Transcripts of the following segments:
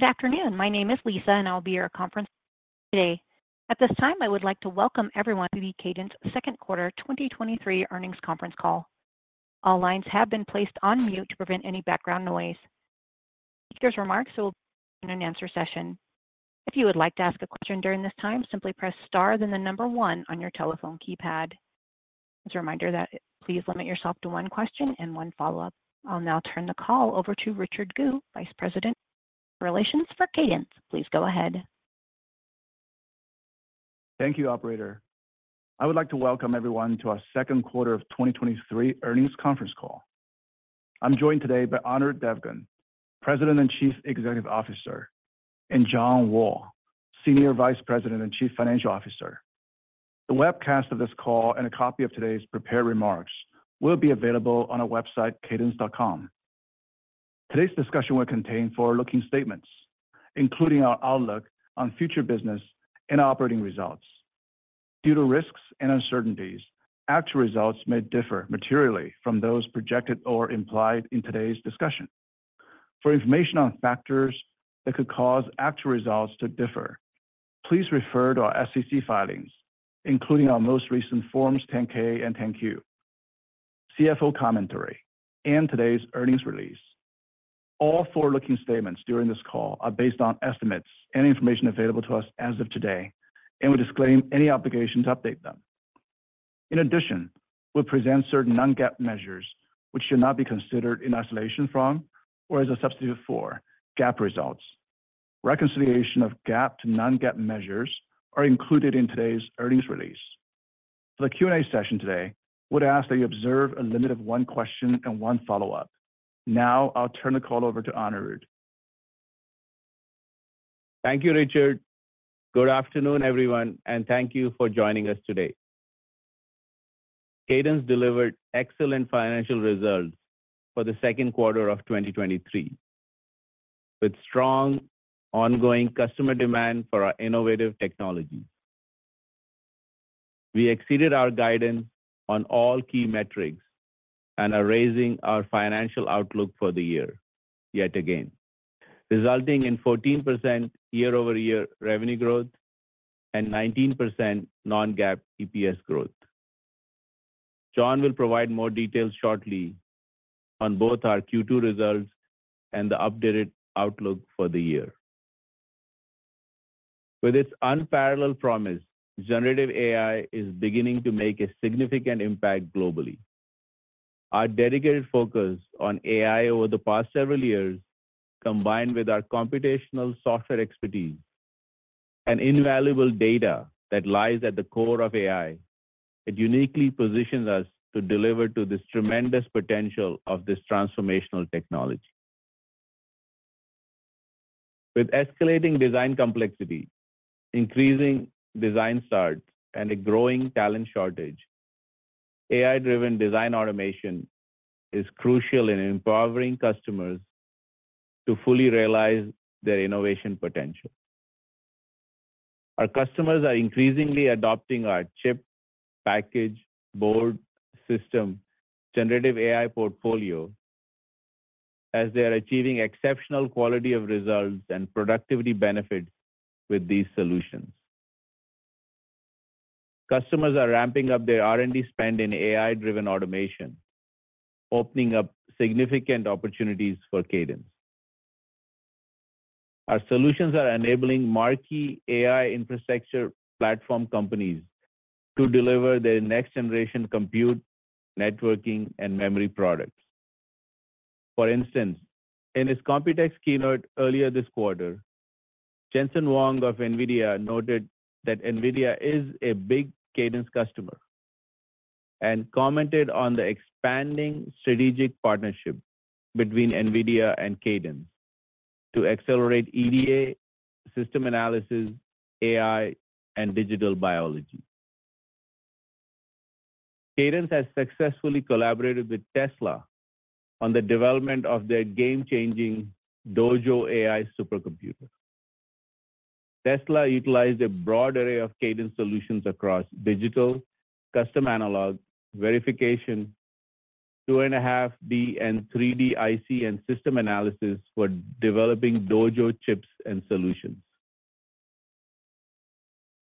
Good afternoon. My name is Lisa, I'll be your conference today. At this time, I would like to welcome everyone to the Cadence second quarter 2023 earnings conference call. All lines have been placed on mute to prevent any background noise. Speaker's remarks will, in an answer session. If you would like to ask a question during this time, simply press star, then the number one on your telephone keypad. As a reminder that, please limit yourself to one question and one follow-up. I'll now turn the call over to Richard Gu, Vice President, Relations for Cadence. Please go ahead. Thank you, operator. I would like to welcome everyone to our 2nd quarter of 2023 earnings conference call. I'm joined today by Anirudh Devgan, President and Chief Executive Officer, and John Wall, Senior Vice President and Chief Financial Officer. The webcast of this call and a copy of today's prepared remarks will be available on our website, cadence.com. Today's discussion will contain forward-looking statements, including our outlook on future business and operating results. Due to risks and uncertainties, actual results may differ materially from those projected or implied in today's discussion. For information on factors that could cause actual results to differ, please refer to our SEC filings, including our most recent forms, 10-K and 10-Q, CFO commentary, and today's earnings release. All forward-looking statements during this call are based on estimates and information available to us as of today. We disclaim any obligation to update them. In addition, we present certain non-GAAP measures, which should not be considered in isolation from or as a substitute for GAAP results. Reconciliation of GAAP to non-GAAP measures are included in today's earnings release. For the Q&A session today, I would ask that you observe a limit of one question and one follow-up. Now, I'll turn the call over to Anirudh. Thank you, Richard. Good afternoon, everyone, and thank you for joining us today. Cadence delivered excellent financial results for the second quarter of 2023, with strong, ongoing customer demand for our innovative technology. We exceeded our guidance on all key metrics and are raising our financial outlook for the year yet again, resulting in 14% year-over-year revenue growth and 19% non-GAAP EPS growth. John will provide more details shortly on both our Q2 results and the updated outlook for the year. With its unparalleled promise, generative AI is beginning to make a significant impact globally. Our dedicated focus on AI over the past several years, combined with our computational software expertise and invaluable data that lies at the core of AI, it uniquely positions us to deliver to this tremendous potential of this transformational technology. With escalating design complexity, increasing design starts, and a growing talent shortage, AI-driven design automation is crucial in empowering customers to fully realize their innovation potential. Our customers are increasingly adopting our chip, package, board, system, generative AI portfolio, as they are achieving exceptional quality of results and productivity benefits with these solutions. Customers are ramping up their R&D spend in AI-driven automation, opening up significant opportunities for Cadence. Our solutions are enabling marquee AI infrastructure platform companies to deliver their next-generation compute, networking, and memory products. For instance, in his COMPUTEX keynote earlier this quarter, Jensen Huang of NVIDIA noted that NVIDIA is a big Cadence customer and commented on the expanding strategic partnership between NVIDIA and Cadence to accelerate EDA, system analysis, AI, and digital biology. Cadence has successfully collaborated with Tesla on the development of their game-changing Dojo AI supercomputer. Tesla utilized a broad array of Cadence solutions across digital, custom analog, verification, 2.5D and 3D IC, and system analysis for developing Dojo chips and solutions.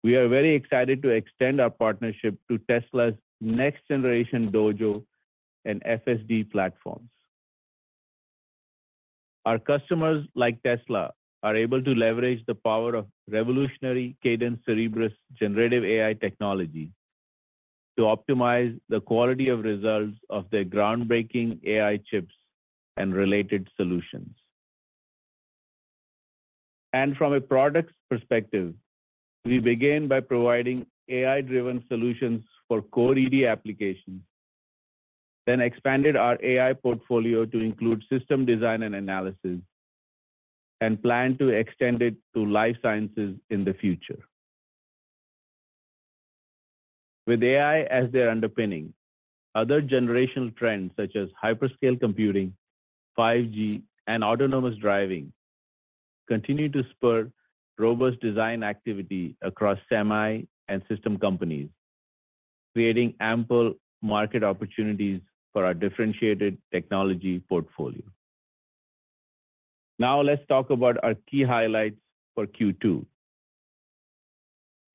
We are very excited to extend our partnership to Tesla's next-generation Dojo and FSD platforms. Our customers, like Tesla, are able to leverage the power of revolutionary Cadence Cerebrus generative AI technology to optimize the quality of results of their groundbreaking AI chips and related solutions. From a products perspective, we began by providing AI-driven solutions for core EDA applications, then expanded our AI portfolio to include system design and analysis, and plan to extend it to life sciences in the future. With AI as their underpinning, other generational trends such as hyperscale computing, 5G, and autonomous driving, continue to spur robust design activity across semi and system companies, creating ample market opportunities for our differentiated technology portfolio. Let's talk about our key highlights for Q2.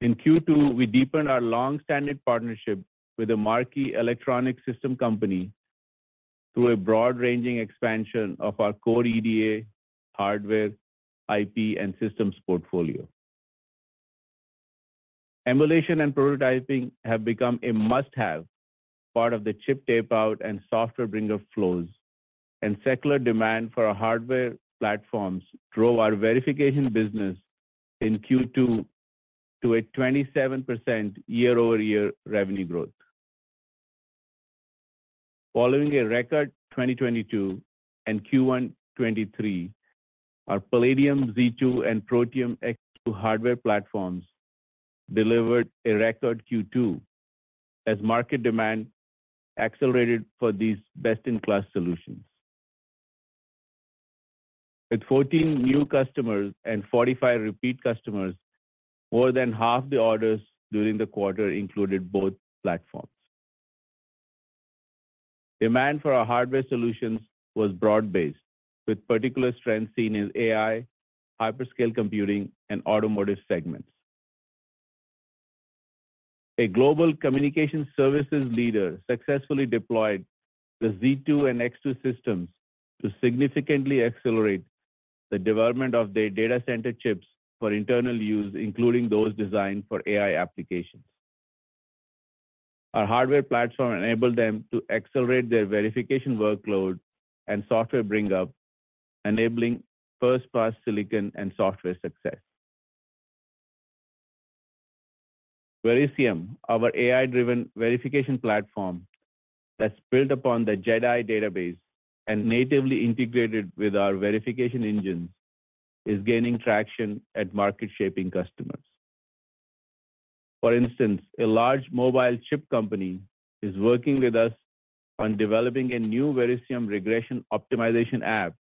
In Q2, we deepened our long-standing partnership with a marquee electronic system company through a broad-ranging expansion of our core EDA, hardware, IP, and systems portfolio. Emulation and prototyping have become a must-have part of the chip tape-out and software bring-up flows, secular demand for our hardware platforms drove our verification business in Q2 to a 27% year-over-year revenue growth. Following a record 2022 and Q1 2023, our Palladium Z2 and Protium X2 hardware platforms delivered a record Q2, as market demand accelerated for these best-in-class solutions. With 14 new customers and 45 repeat customers, more than half the orders during the quarter included both platforms. Demand for our hardware solutions was broad-based, with particular strength seen in AI, hyperscale computing, and automotive segments. A global communication services leader successfully deployed the Z2 and X2 systems to significantly accelerate the development of their data center chips for internal use, including those designed for AI applications. Our hardware platform enabled them to accelerate their verification workload and software bringup, enabling first-pass silicon and software success. Verisium, our AI-driven verification platform that's built upon the JedAI database and natively integrated with our verification engines, is gaining traction at market-shaping customers. For instance, a large mobile chip company is working with us on developing a new Verisium regression optimization app,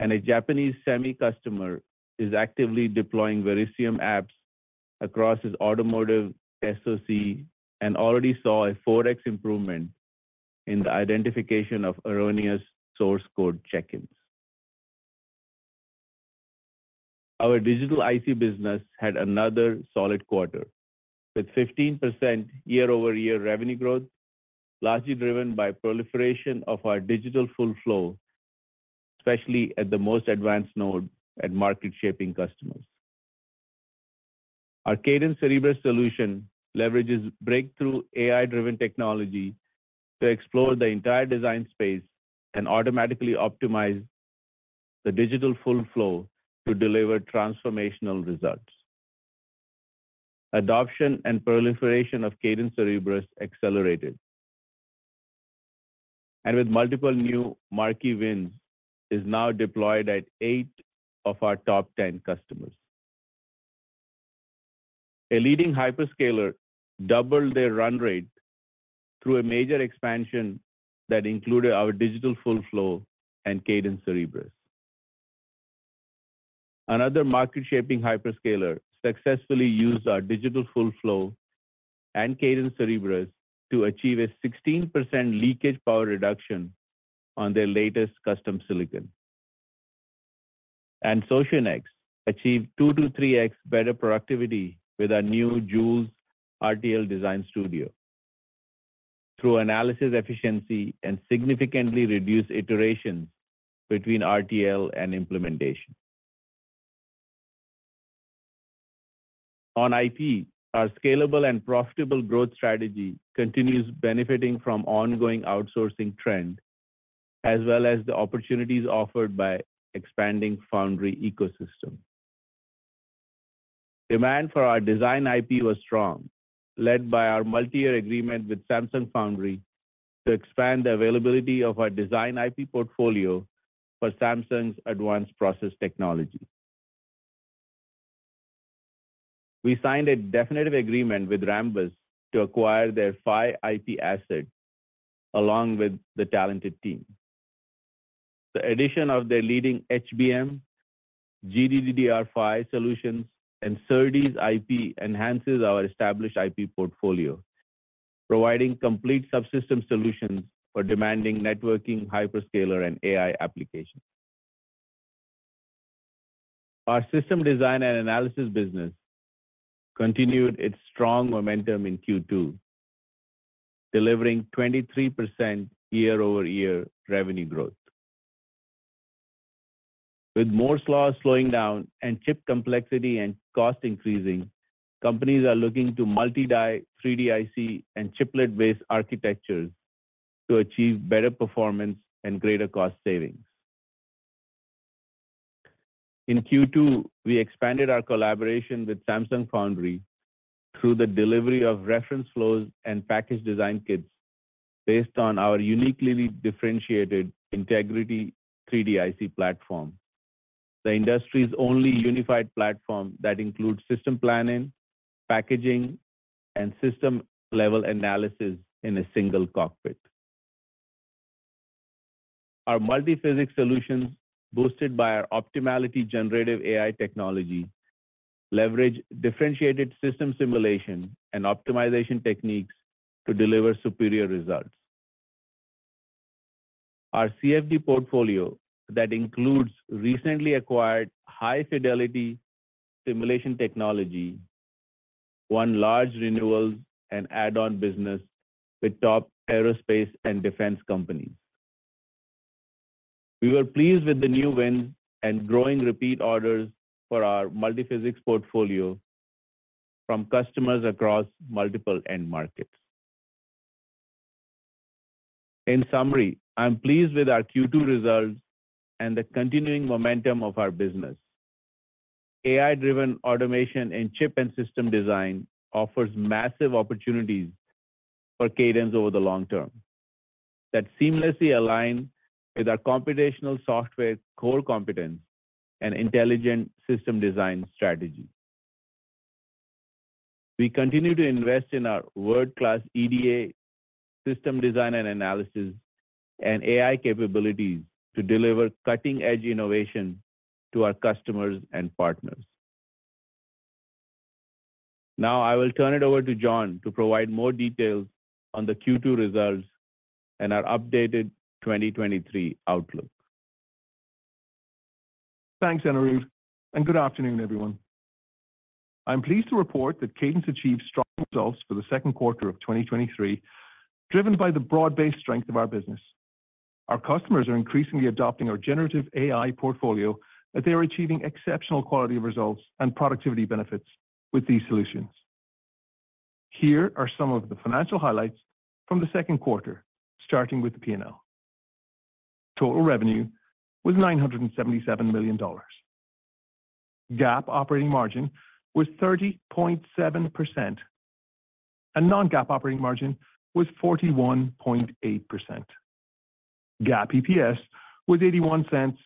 and a Japanese semi customer is actively deploying Verisium apps across its automotive SoC and already saw a 4x improvement in the identification of erroneous source code check-ins. Our digital IC business had another solid quarter, with 15% year-over-year revenue growth, largely driven by proliferation of our digital full flow, especially at the most advanced node at market-shaping customers. Our Cadence Cerebrus solution leverages breakthrough AI-driven technology to explore the entire design space and automatically optimize the digital full flow to deliver transformational results. Adoption and proliferation of Cadence Cerebrus accelerated, and with multiple new marquee wins, is now deployed at eight of our top 10 customers. A leading hyperscaler doubled their run rate through a major expansion that included our digital full flow and Cadence Cerebrus. Another market-shaping hyperscaler successfully used our digital full flow and Cadence Cerebrus to achieve a 16% leakage power reduction on their latest custom silicon. Socionext achieved 2x-3x better productivity with our new Joules RTL Design Studio through analysis efficiency and significantly reduced iterations between RTL and implementation. On IP, our scalable and profitable growth strategy continues benefiting from ongoing outsourcing trend, as well as the opportunities offered by expanding foundry ecosystem. Demand for our design IP was strong, led by our multi-year agreement with Samsung Foundry to expand the availability of our design IP portfolio for Samsung's advanced process technology. We signed a definitive agreement with Rambus to acquire their PHY IP asset, along with the talented team. The addition of their leading HBM, GDDR solutions, and SerDes IP enhances our established IP portfolio, providing complete subsystem solutions for demanding networking, hyperscaler, and AI applications. Our system design and analysis business continued its strong momentum in Q2, delivering 23% year-over-year revenue growth. With Moore's Law slowing down and chip complexity and cost increasing, companies are looking to multi-die 3D IC and chiplet-based architectures to achieve better performance and greater cost savings. In Q2, we expanded our collaboration with Samsung Foundry through the delivery of reference flows and package design kits based on our uniquely differentiated Integrity 3D-IC Platform, the industry's only unified platform that includes system planning, packaging, and system-level analysis in a single cockpit. Our multiphysics solutions, boosted by our optimality generative AI technology, leverage differentiated system simulation and optimization techniques to deliver superior results. Our CFD portfolio, that includes recently acquired high-fidelity simulation technology, won large renewals and add-on business with top aerospace and defense companies. We were pleased with the new wins and growing repeat orders for our multiphysics portfolio from customers across multiple end markets. In summary, I'm pleased with our Q2 results and the continuing momentum of our business. AI-driven automation in chip and system design offers massive opportunities for Cadence over the long term, that seamlessly align with our computational software core competence and intelligent system design strategy. We continue to invest in our world-class EDA system design and analysis, and AI capabilities to deliver cutting-edge innovation to our customers and partners. Now, I will turn it over to John to provide more details on the Q2 results and our updated 2023 outlook. Thanks, Anirudh. Good afternoon, everyone. I'm pleased to report that Cadence achieved strong results for the second quarter of 2023, driven by the broad-based strength of our business. Our customers are increasingly adopting our generative AI portfolio. They are achieving exceptional quality results and productivity benefits with these solutions. Here are some of the financial highlights from the second quarter, starting with the P&L. Total revenue was $977 million. GAAP operating margin was 30.7%. Non-GAAP operating margin was 41.8%. GAAP EPS was $0.81.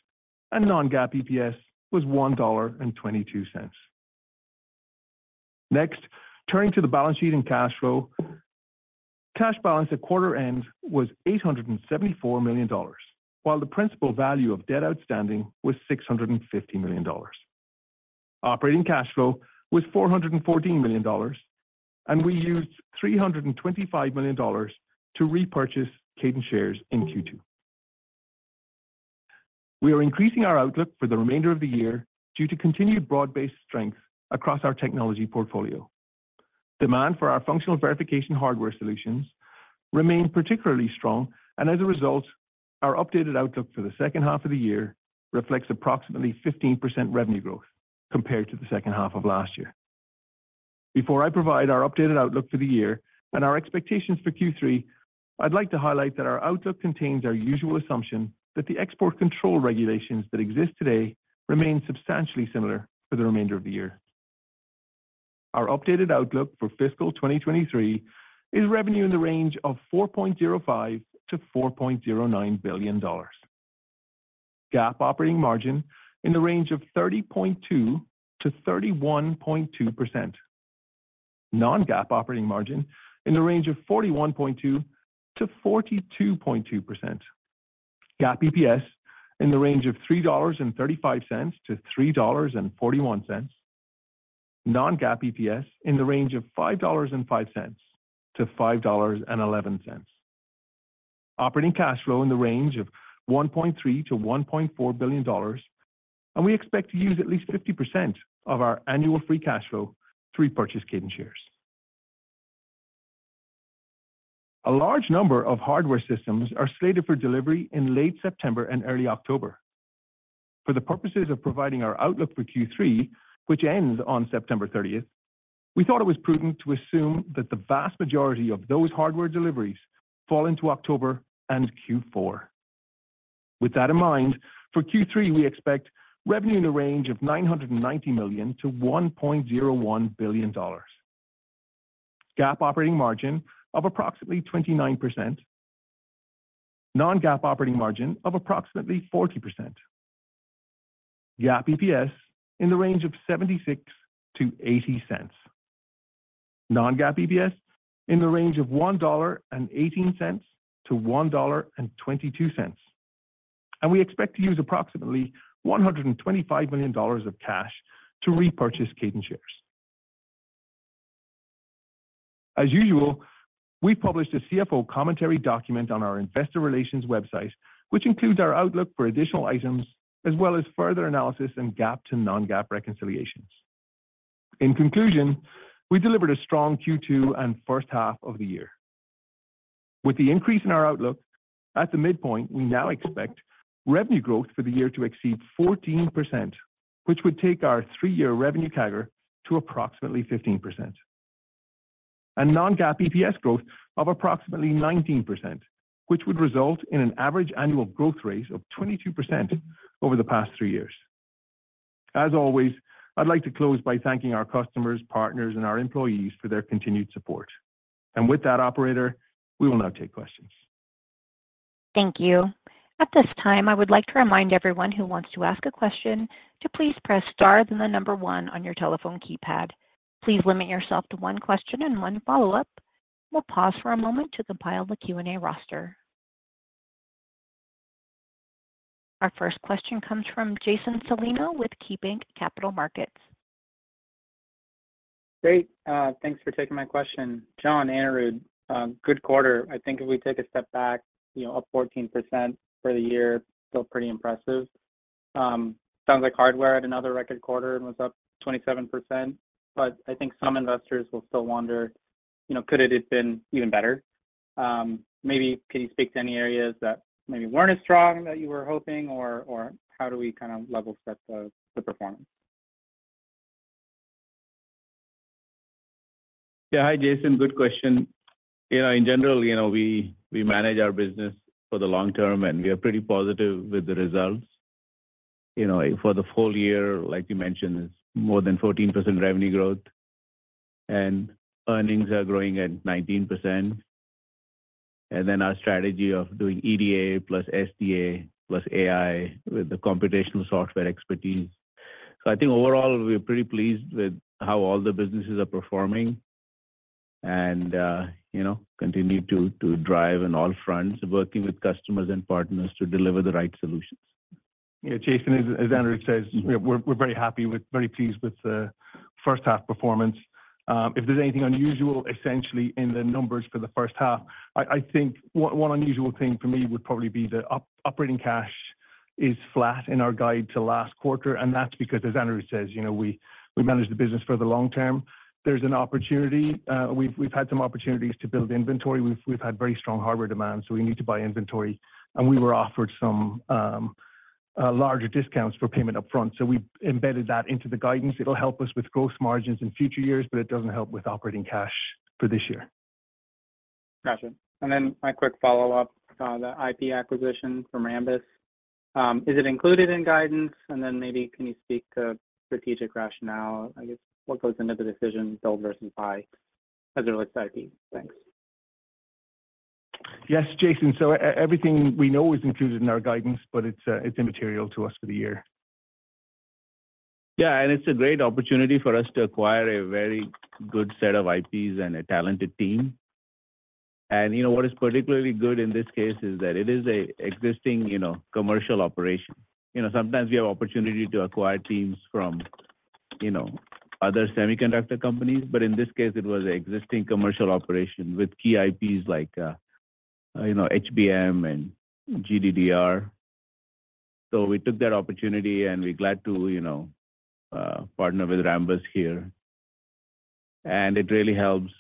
Non-GAAP EPS was $1.22. Next, turning to the balance sheet and cash flow. Cash balance at quarter end was $874 million, while the principal value of debt outstanding was $650 million. Operating cash flow was $414 million, and we used $325 million to repurchase Cadence shares in Q2. We are increasing our outlook for the remainder of the year due to continued broad-based strength across our technology portfolio. Demand for our functional verification hardware solutions remained particularly strong, and as a result, our updated outlook for the second half of the year reflects approximately 15% revenue growth compared to the second half of last year. Before I provide our updated outlook for the year and our expectations for Q3, I'd like to highlight that our outlook contains our usual assumption that the export control regulations that exist today remain substantially similar for the remainder of the year. Our updated outlook for fiscal 2023 is revenue in the range of $4.05 billion-$4.09 billion. GAAP operating margin in the range of 30.2%-31.2%. Non-GAAP operating margin in the range of 41.2%-42.2%. GAAP EPS in the range of $3.35-$3.41. Non-GAAP EPS in the range of $5.05-$5.11. Operating cash flow in the range of $1.3 billion-$1.4 billion, and we expect to use at least 50% of our annual free cash flow to repurchase Cadence shares. A large number of hardware systems are slated for delivery in late September and early October. For the purposes of providing our outlook for Q3, which ends on September 30th, we thought it was prudent to assume that the vast majority of those hardware deliveries fall into October and Q4. With that in mind, for Q3, we expect revenue in the range of $990 million-$1.01 billion. GAAP operating margin of approximately 29%. Non-GAAP operating margin of approximately 40%. GAAP EPS in the range of $0.76-$0.80. Non-GAAP EPS in the range of $1.18-$1.22, and we expect to use approximately $125 million of cash to repurchase Cadence shares. As usual, we published a CFO commentary document on our investor relations website, which includes our outlook for additional items, as well as further analysis and GAAP to non-GAAP reconciliations. In conclusion, we delivered a strong Q2 and first half of the year. With the increase in our outlook, at the midpoint, we now expect revenue growth for the year to exceed 14%, which would take our three-year revenue CAGR to approximately 15%. Non-GAAP EPS growth of approximately 19%, which would result in an average annual growth rate of 22% over the past three years. As always, I'd like to close by thanking our customers, partners, and our employees for their continued support. With that, operator, we will now take questions. Thank you. At this time, I would like to remind everyone who wants to ask a question to please press star, then the number one on your telephone keypad. Please limit yourself to one question and one follow-up. We'll pause for a moment to compile the Q&A roster. Our first question comes from Jason Celino with KeyBanc Capital Markets. Great. Thanks for taking my question. John, Anirudh, good quarter. I think if we take a step back, you know, up 14% for the year, still pretty impressive. Sounds like hardware had another record quarter and was up 27%. I think some investors will still wonder, you know, could it have been even better? Maybe can you speak to any areas that maybe weren't as strong that you were hoping, or how do we kind of level set the performance? Yeah. Hi, Jason. Good question. You know, in general, you know, we manage our business for the long term. We are pretty positive with the results. You know, for the full year, like you mentioned, it's more than 14% revenue growth. Earnings are growing at 19%. Our strategy of doing EDA plus SDA plus AI with the computational software expertise. I think overall, we're pretty pleased with how all the businesses are performing and, you know, continue to drive on all fronts, working with customers and partners to deliver the right solutions. Yeah, Jason, as Anirudh says, we're very happy with, very pleased with the first half performance. If there's anything unusual, essentially, in the numbers for the first half, I think one unusual thing for me would probably be the operating cash is flat in our guide to last quarter. That's because, as Anirudh says, you know, we manage the business for the long term. There's an opportunity. We've had some opportunities to build inventory. We've had very strong hardware demand, so we need to buy inventory, and we were offered some larger discounts for payment upfront, so we embedded that into the guidance. It'll help us with gross margins in future years, but it doesn't help with operating cash for this year. Gotcha. My quick follow-up, the IP acquisition from Rambus, is it included in guidance? Maybe can you speak to strategic rationale? I guess, what goes into the decision build versus buy as it relates to IP? Thanks. Yes, Jason. everything we know is included in our guidance, but it's immaterial to us for the year. Yeah, it's a great opportunity for us to acquire a very good set of IPs and a talented team. You know, what is particularly good in this case is that it is a existing, you know, commercial operation. You know, sometimes we have opportunity to acquire teams from, you know, other semiconductor companies, but in this case, it was an existing commercial operation with key IPs like, you know, HBM and GDDR. We took that opportunity, and we're glad to, you know, partner with Rambus here. It really helps,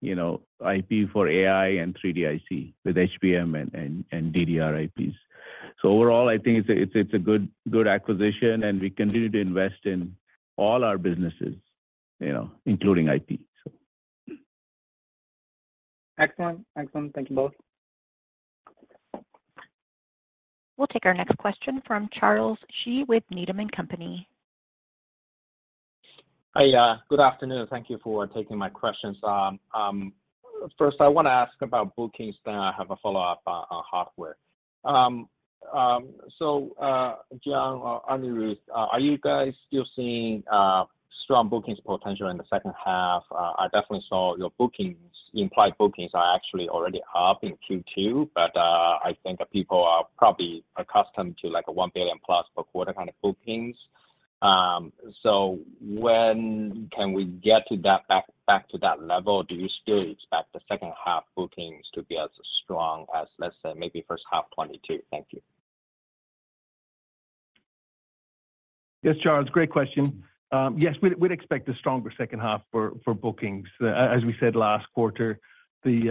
you know, IP for AI and 3D IC with HBM and DDR IPs. Overall, I think it's a good acquisition, and we continue to invest in all our businesses, you know, including IP, so. Excellent. Excellent. Thank you both. We'll take our next question from Charles Shi with Needham & Company. Hi, good afternoon. Thank you for taking my questions. First, I want to ask about bookings. I have a follow-up on hardware. John or Anirudh, are you guys still seeing strong bookings potential in the second half? I definitely saw your bookings, implied bookings are actually already up in Q2. I think people are probably accustomed to, like, a $1 billion plus per quarter kind of bookings. When can we get back to that level? Do you still expect the second half bookings to be as strong as, let's say, maybe first half 2022? Thank you. Yes, Charles, great question. Yes, we'd expect a stronger second half for bookings. As we said last quarter, we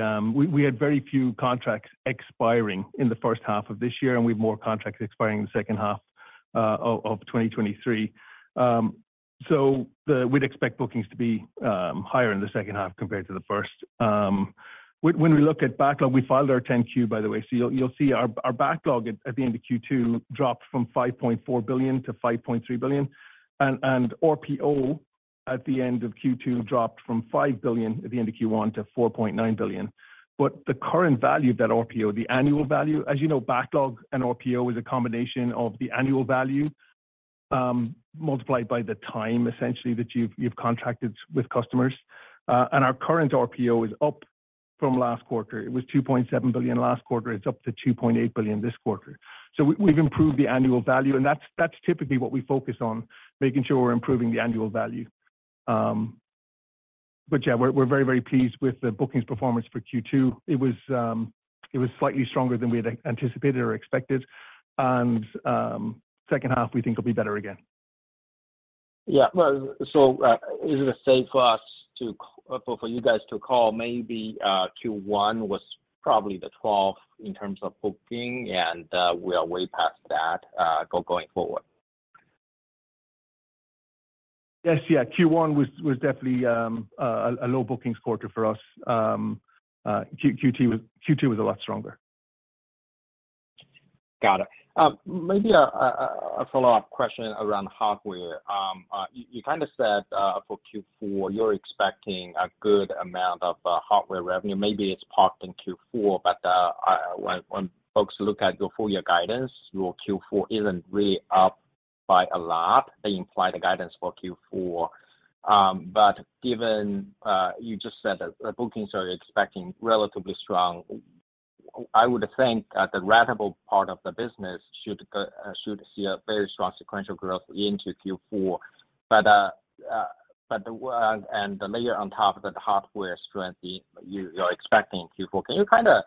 had very few contracts expiring in the first half of this year, and we have more contracts expiring in the second half of 2023. We'd expect bookings to be higher in the second half compared to the first. When we look at backlog, we filed our 10-Q, by the way, so you'll see our backlog at the end of Q2 dropped from $5.4 billion to $5.3 billion. RPO, at the end of Q2, dropped from $5 billion at the end of Q1 to $4.9 billion. The current value of that RPO, the annual value, as you know, backlog and RPO is a combination of the annual value, multiplied by the time essentially that you've contracted with customers. Our current RPO is up from last quarter. It was $2.7 billion last quarter, it's up to $2.8 billion this quarter. We've improved the annual value, and that's typically what we focus on, making sure we're improving the annual value. Yeah, we're very, very pleased with the bookings performance for Q2. It was slightly stronger than we had anticipated or expected, second half, we think will be better again. Well, is it safe for us or for you guys to call maybe Q1 was probably the trough in terms of booking, and we are way past that going forward? Yes. Yeah, Q1 was definitely a low bookings quarter for us. Q2 was a lot stronger. Got it. Maybe a follow-up question around hardware. You kind of said for Q4, you're expecting a good amount of hardware revenue. Maybe it's parked in Q4, but when folks look at your full year guidance, your Q4 isn't really by a lot, they imply the guidance for Q4. Given you just said that the bookings are expecting relatively strong, I would think that the ratable part of the business should see a very strong sequential growth into Q4. And the layer on top of that, the hardware strength, you're expecting in Q4. Can you kind of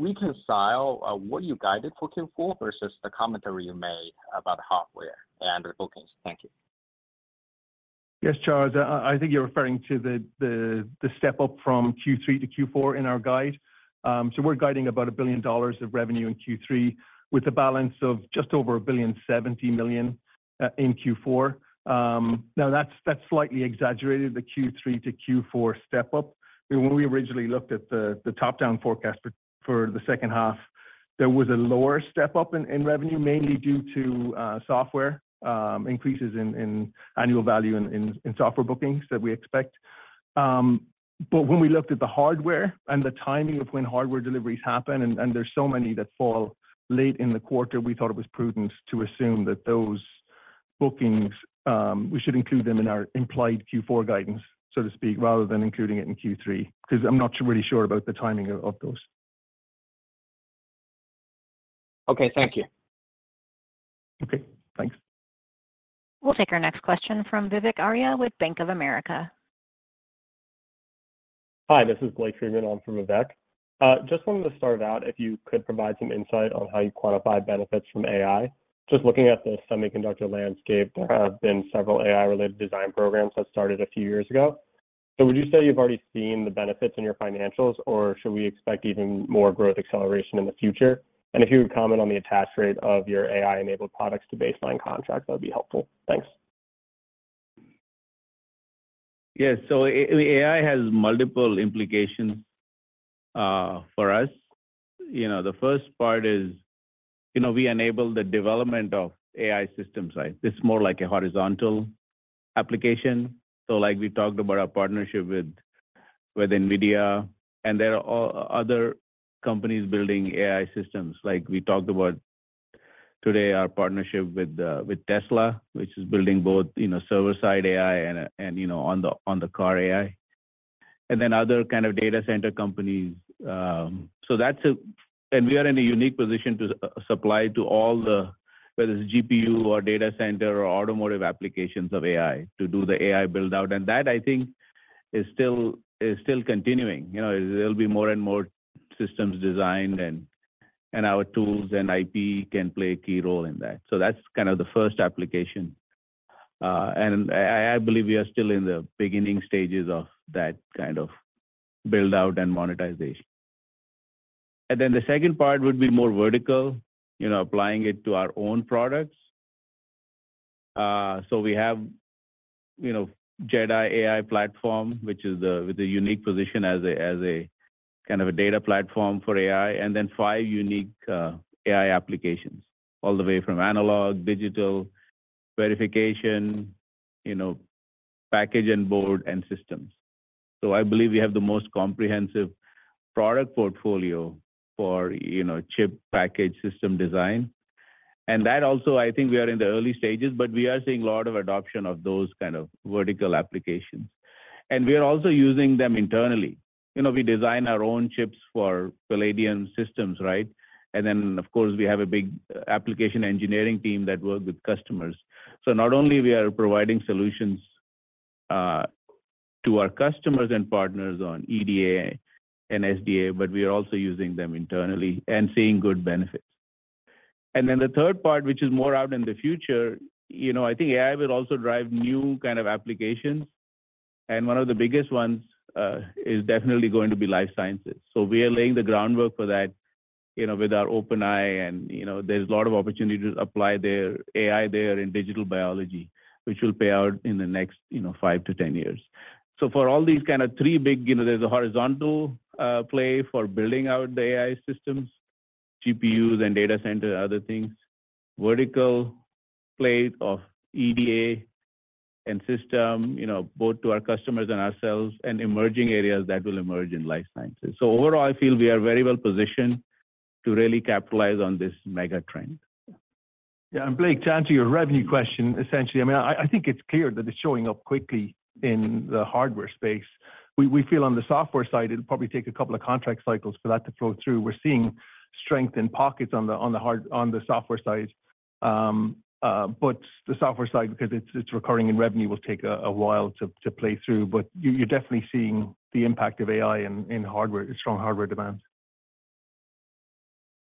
reconcile what you guided for Q4 versus the commentary you made about hardware and the bookings? Thank you. Yes, Charles, I think you're referring to the step up from Q3 to Q4 in our guide. We're guiding about $1 billion of revenue in Q3, with a balance of just over $1.07 billion in Q4. Now, that's slightly exaggerated, the Q3 to Q4 step up. I mean, when we originally looked at the top-down forecast for the second half, there was a lower step up in revenue, mainly due to software increases in annual value in software bookings that we expect. When we looked at the hardware and the timing of when hardware deliveries happen, and there's so many that fall late in the quarter, we thought it was prudent to assume that those bookings, we should include them in our implied Q4 guidance, so to speak, rather than including it in Q3. I'm not really sure about the timing of those. Okay. Thank you. Okay, thanks. We'll take our next question from Vivek Arya with Bank of America. Hi, this is Blake Friedman. I'm from Vivek. just wanted to start out, if you could provide some insight on how you quantify benefits from AI. Just looking at the semiconductor landscape, there have been several AI-related design programs that started a few years ago. Would you say you've already seen the benefits in your financials, or should we expect even more growth acceleration in the future? If you would comment on the attach rate of your AI-enabled products to baseline contracts, that would be helpful. Thanks. Yes, so AI has multiple implications for us. You know, the first part is, you know, we enable the development of AI systems, right? It's more like a horizontal application. Like we talked about our partnership with NVIDIA, and there are other companies building AI systems. Like we talked about today, our partnership with Tesla, which is building both, you know, server-side AI and, you know, on the, on the car AI, and then other kind of data center companies. We are in a unique position to supply to all the, whether it's GPU or data center or automotive applications of AI, to do the AI build-out. That, I think, is still continuing. You know, there'll be more and more systems designed, and our tools and IP can play a key role in that. That's kind of the first application. I believe we are still in the beginning stages of that kind of build-out and monetization. Then the second part would be more vertical, you know, applying it to our own products. We have, you know, JedAI platform, which is with a unique position as a kind of a data platform for AI, and then five unique AI applications, all the way from analog, digital, verification, you know, package and board, and systems. I believe we have the most comprehensive product portfolio for, you know, chip package system design. That also, I think we are in the early stages, but we are seeing a lot of adoption of those kind of vertical applications. We are also using them internally. You know, we design our own chips for Palladium systems, right? Then, of course, we have a big application engineering team that works with customers. Not only we are providing solutions to our customers and partners on EDA and SDA, but we are also using them internally and seeing good benefits. The third part, which is more out in the future, you know, I think AI will also drive new kind of applications, and one of the biggest ones is definitely going to be life sciences. We are laying the groundwork for that, you know, with our open AI, and, you know, there's a lot of opportunity to apply their AI there in digital biology, which will pay out in the next, you know, five to 10 years. For all these kind of three big, you know, there's a horizontal play for building out the AI systems, GPUs and data center, other things. Vertical play of EDA and system, you know, both to our customers and ourselves, and emerging areas that will emerge in life sciences. Overall, I feel we are very well positioned to really capitalize on this mega trend. Yeah, Blake, to answer your revenue question, essentially, I mean, I think it's clear that it's showing up quickly in the hardware space. We feel on the software side, it'll probably take a couple of contract cycles for that to flow through. We're seeing strength in pockets on the software side. The software side, because it's recurring in revenue, will take a while to play through. You're definitely seeing the impact of AI in hardware, strong hardware demands.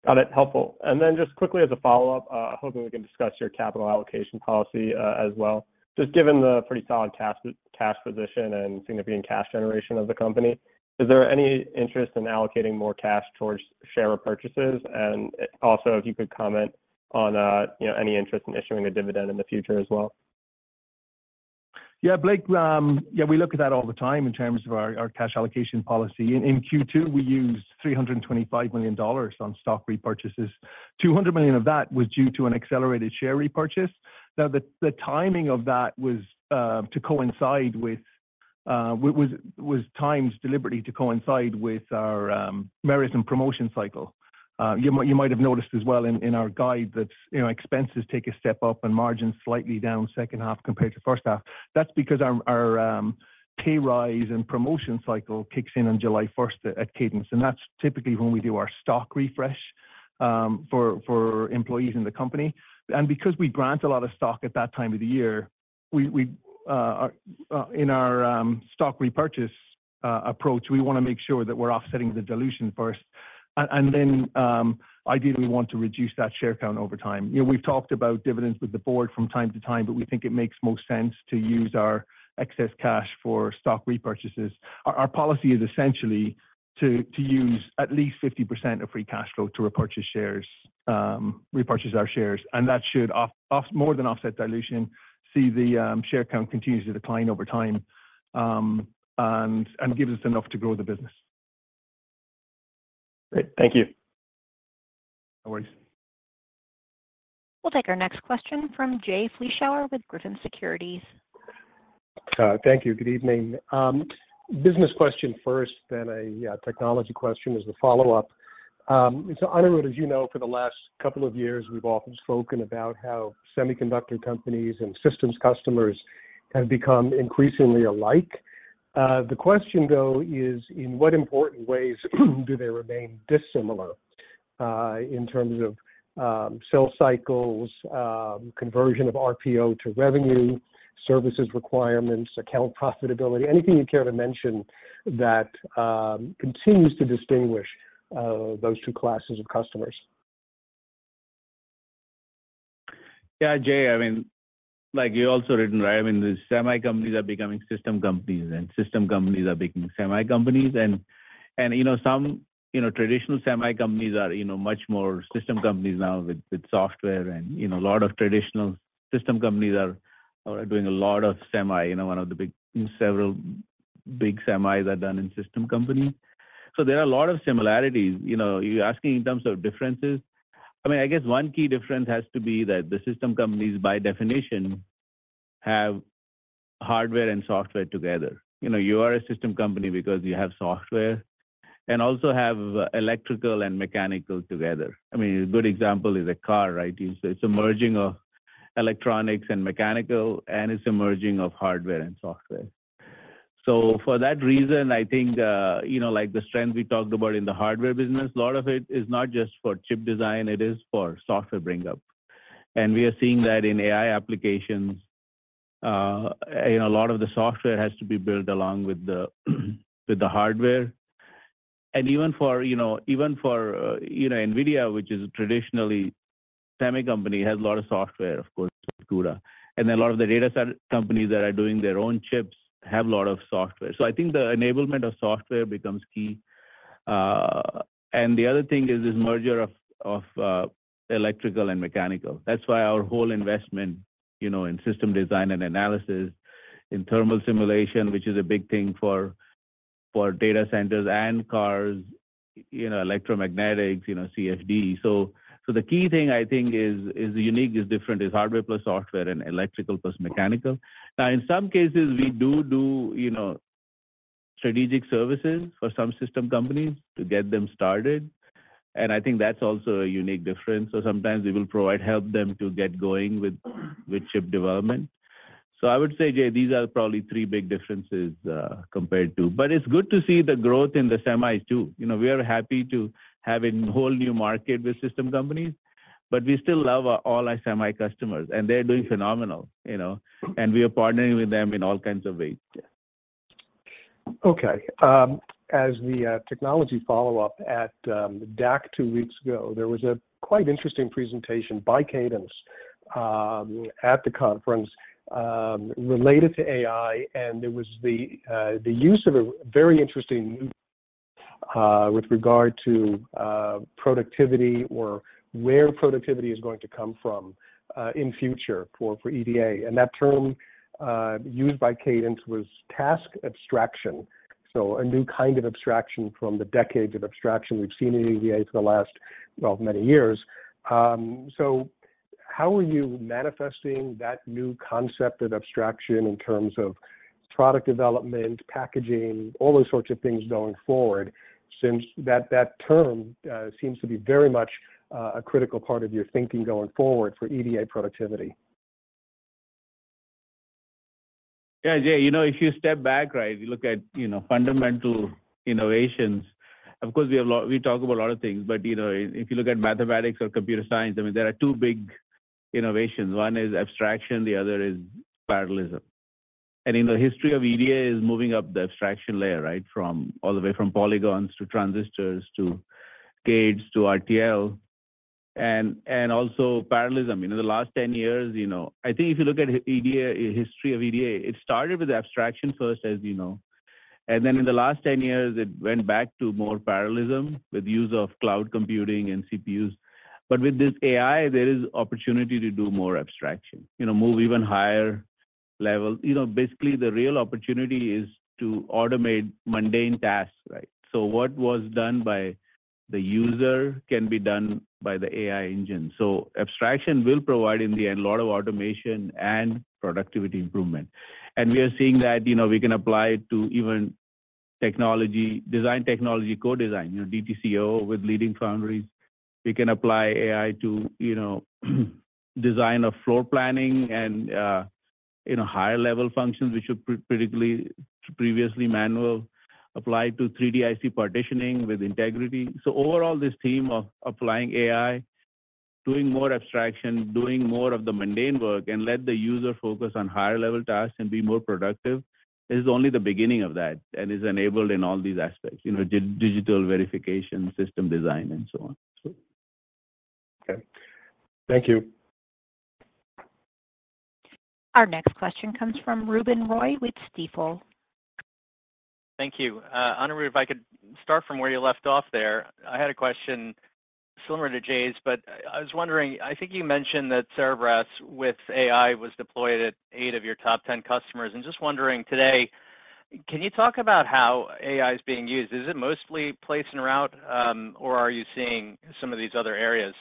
Got it. Helpful. Just quickly as a follow-up, hoping we can discuss your capital allocation policy as well. Just given the pretty solid cash position and significant cash generation of the company, is there any interest in allocating more cash towards share repurchases? Also, if you could comment on, you know, any interest in issuing a dividend in the future as well. Yeah, Blake, yeah, we look at that all the time in terms of our cash allocation policy. In Q2, we used $325 million on stock repurchases. $200 million of that was due to an accelerated share repurchase. The timing of that was timed deliberately to coincide with our merit and promotion cycle. You might have noticed as well in our guide that, you know, expenses take a step up and margins slightly down second half compared to first half. That's because our pay rise and promotion cycle kicks in on July first at Cadence, that's typically when we do our stock refresh for employees in the company. Because we grant a lot of stock at that time of the year, we in our stock repurchase approach, we want to make sure that we're offsetting the dilution first. Then, ideally, we want to reduce that share count over time. You know, we've talked about dividends with the board from time to time, but we think it makes most sense to use our excess cash for stock repurchases. Our policy is essentially to use at least 50% of free cash flow to repurchase shares, repurchase our shares, and that should more than offset dilution, see the share count continue to decline over time, and gives us enough to grow the business. Great. Thank you. No worries. We'll take our next question from Jay Vleeschhouwer with Griffin Securities. Thank you. Good evening. Business question first, then a technology question as the follow-up. Anirudh, as you know, for the last couple of years, we've often spoken about how semiconductor companies and systems customers have become increasingly alike. The question though, is: in what important ways do they remain dissimilar in terms of sales cycles, conversion of RPO to revenue, services requirements, account profitability? Anything you care to mention that continues to distinguish those two classes of customers? Jay, I mean, like you also written, right? I mean, the semi companies are becoming system companies, and system companies are becoming semi companies. And, you know, some, you know, traditional semi companies are, you know, much more system companies now with software and, you know, a lot of traditional system companies are doing a lot of semi. You know, one of the several big semis are done in system companies. There are a lot of similarities. You know, you're asking in terms of differences. I mean, I guess one key difference has to be that the system companies, by definition, have hardware and software together. You know, you are a system company because you have software and also have electrical and mechanical together. I mean, a good example is a car, right? It's a merging of electronics and mechanical, it's a merging of hardware and software. For that reason, I think, you know, like the strength we talked about in the hardware business, a lot of it is not just for chip design, it is for software bring up. We are seeing that in AI applications. You know, a lot of the software has to be built along with the hardware. Even for, you know, even for, you know, NVIDIA, which is traditionally semi company, has a lot of software, of course, with CUDA. A lot of the data center companies that are doing their own chips have a lot of software. I think the enablement of software becomes key. The other thing is this merger of electrical and mechanical. That's why our whole investment, you know, in System Design and Analysis, in thermal simulation, which is a big thing for data centers and cars, you know, electromagnetics, you know, CFD. The key thing I think is unique, is different, is hardware plus software and electrical plus mechanical. Now, in some cases, we do, you know, strategic services for some system companies to get them started, and I think that's also a unique difference. Sometimes we will provide, help them to get going with chip development. I would say, Jay, these are probably three big differences compared to. It's good to see the growth in the semis too. You know, we are happy to have a whole new market with system companies, but we still love our all our semi customers, and they're doing phenomenal, you know, and we are partnering with them in all kinds of ways. Okay. As the technology follow-up at DAC two weeks ago, there was a quite interesting presentation by Cadence at the conference related to AI, and it was the use of a very interesting new with regard to productivity or where productivity is going to come from in future for EDA. That term used by Cadence was task abstraction. A new kind of abstraction from the decades of abstraction we've seen in EDA for the last, well, many years. How are you manifesting that new concept of abstraction in terms of product development, packaging, all those sorts of things going forward, since that term seems to be very much a critical part of your thinking going forward for EDA productivity? Jay, you know, if you step back, right, you look at, you know, fundamental innovations, of course, we talk about a lot of things, you know, if you look at mathematics or computer science, I mean, there are two big innovations. One is abstraction, the other is parallelism. In the history of EDA is moving up the abstraction layer, right? From all the way from polygons, to transistors, to gates, to RTL, and also parallelism. You know, the last 10 years, you know, I think if you look at EDA, history of EDA, it started with abstraction first, as you know, and then in the last 10 years, it went back to more parallelism with use of cloud computing and CPUs. With this AI, there is opportunity to do more abstraction, you know, move even higher level. You know, basically, the real opportunity is to automate mundane tasks, right? What was done by the user can be done by the AI engine. Abstraction will provide, in the end, a lot of automation and productivity improvement. We are seeing that, you know, we can apply it to even technology, design technology, co-design, you know, DTCO with leading foundries. We can apply AI to, you know, design of floor planning and, you know, higher level functions, which were previously manual, applied to 3D IC partitioning with Integrity. Overall, this theme of applying AI, doing more abstraction, doing more of the mundane work, and let the user focus on higher level tasks and be more productive, is only the beginning of that and is enabled in all these aspects, you know, digital verification, system design, and so on. Okay. Thank you. Our next question comes from Ruben Roy with Stifel. Thank you. Anirudh, if I could start from where you left off there, I had a question similar to Jay's, but I was wondering, I think you mentioned that Cerebrus with AI was deployed at eight of your top 10 customers. I'm just wondering today, can you talk about how AI is being used? Is it mostly place and route, or are you seeing some of these other areas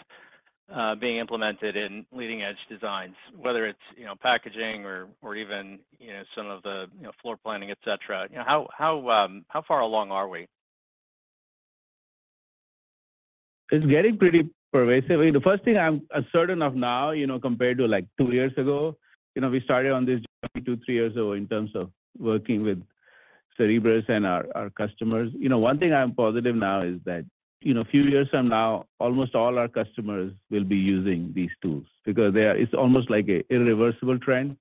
being implemented in leading-edge designs? Whether it's, you know, packaging or even, you know, some of the, you know, floor planning, etcetera. You know, how far along are we? It's getting pretty pervasive. I mean, the first thing I'm assertive of now, you know, compared to, like, two years ago, you know, we started on this journey two, three years ago in terms of working with Cerebrus and our customers. You know, one thing I am positive now is that, you know, a few years from now, almost all our customers will be using these tools because it's almost like a irreversible trend.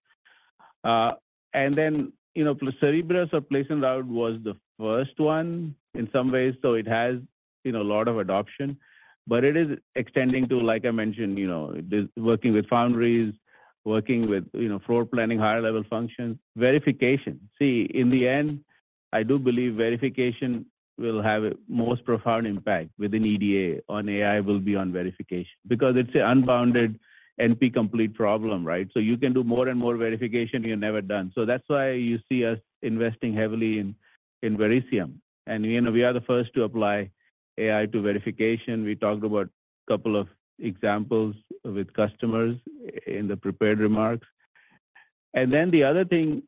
You know, for Cerebrus or place and route was the first one in some ways, so it has, you know, a lot of adoption. It is extending to, like I mentioned, you know, this, working with foundries, working with, you know, floor planning, higher level functions, verification. In the end, I do believe verification will have a most profound impact within EDA, on AI will be on verification, because it's an unbounded NP-complete problem, right? You can do more and more verification, you're never done. That's why you see us investing heavily in Verisium. You know, we are the first to apply AI to verification. We talked about a couple of examples with customers in the prepared remarks. The other thing,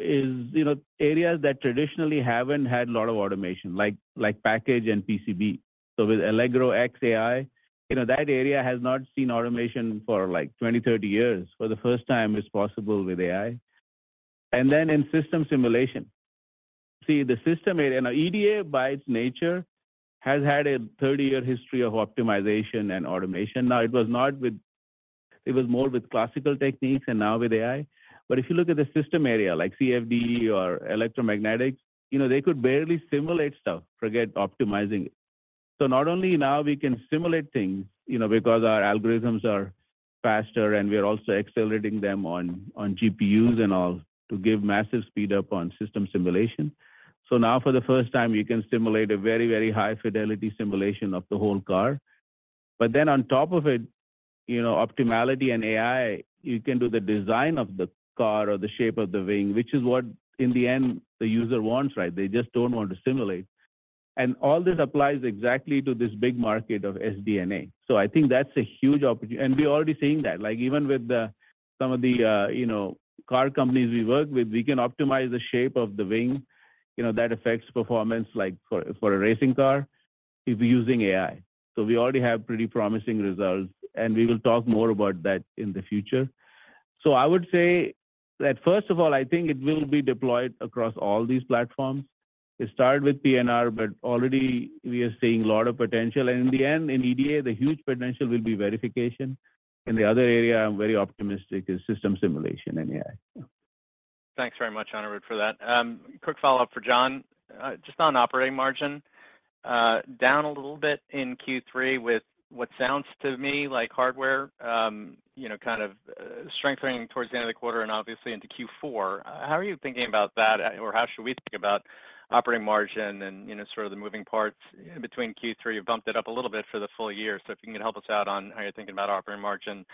is, you know, areas that traditionally haven't had a lot of automation, like package and PCB. With Allegro X AI, you know, that area has not seen automation for like 20, 30 years. For the first time, it's possible with AI. In system simulation. The system area, now EDA by its nature, has had a 30-year history of optimization and automation. It was not with it was more with classical techniques and now with AI. If you look at the system area, like CFD or electromagnetics, you know, they could barely simulate stuff, forget optimizing it. Not only now we can simulate things, you know, because our algorithms are faster and we are also accelerating them on GPUs and all to give massive speed up on system simulation. Now, for the first time, you can simulate a very, very high fidelity simulation of the whole car. On top of it, you know, Optimality and AI, you can do the design of the car or the shape of the wing, which is what in the end, the user wants, right? They just don't want to simulate. All this applies exactly to this big market of SD&A. I think that's a huge opportunity, and we're already seeing that. Like, even with the, some of the, you know, car companies we work with, we can optimize the shape of the wing. You know, that affects performance, like for a racing car, if we're using AI. We already have pretty promising results, and we will talk more about that in the future. I would say that, first of all, I think it will be deployed across all these platforms. It started with PNR, but already we are seeing a lot of potential. In the end, in EDA, the huge potential will be verification. The other area I'm very optimistic is system simulation and AI. Thanks very much, Anirudh, for that. quick follow-up for John, just on operating margin, down a little bit in Q3 with what sounds to me like hardware, you know, kind of strengthening towards the end of the quarter and obviously into Q4. How are you thinking about that? Or how should we think about operating margin and, you know, sort of the moving parts between Q3, you bumped it up a little bit for the full year. If you can help us out on how you're thinking about operating margin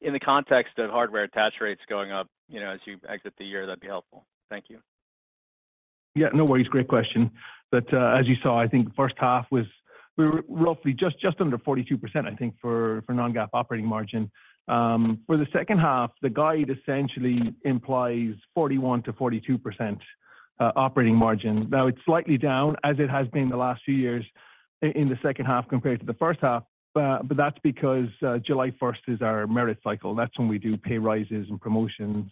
in the context of hardware attach rates going up, you know, as you exit the year, that'd be helpful. Thank you. Yeah, no worries. Great question. As you saw, I think the first half was we were roughly just under 42%, I think, for non-GAAP operating margin. For the second half, the guide essentially implies 41%-42% operating margin. It's slightly down as it has been the last few years in the second half compared to the first half, but that's because July 1st is our merit cycle. That's when we do pay raises and promotions.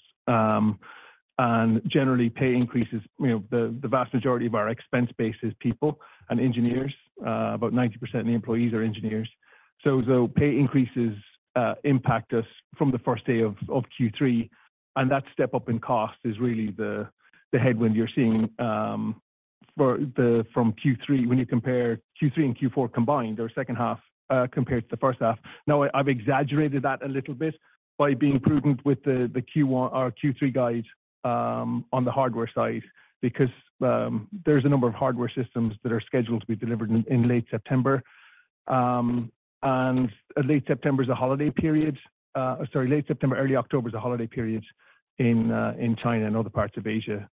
Generally, pay increases, you know, the vast majority of our expense base is people and engineers. About 90% of the employees are engineers. Pay increases, impact us from the first day of Q3, and that step up in cost is really the headwind you're seeing from Q3, when you compare Q3 and Q4 combined, or second half, compared to the first half. Now, I've exaggerated that a little bit by being prudent with the Q1 or Q3 guide on the hardware side, because there's a number of hardware systems that are scheduled to be delivered in late September. Late September is a holiday period, sorry, late September, early October is a holiday period in China and other parts of Asia.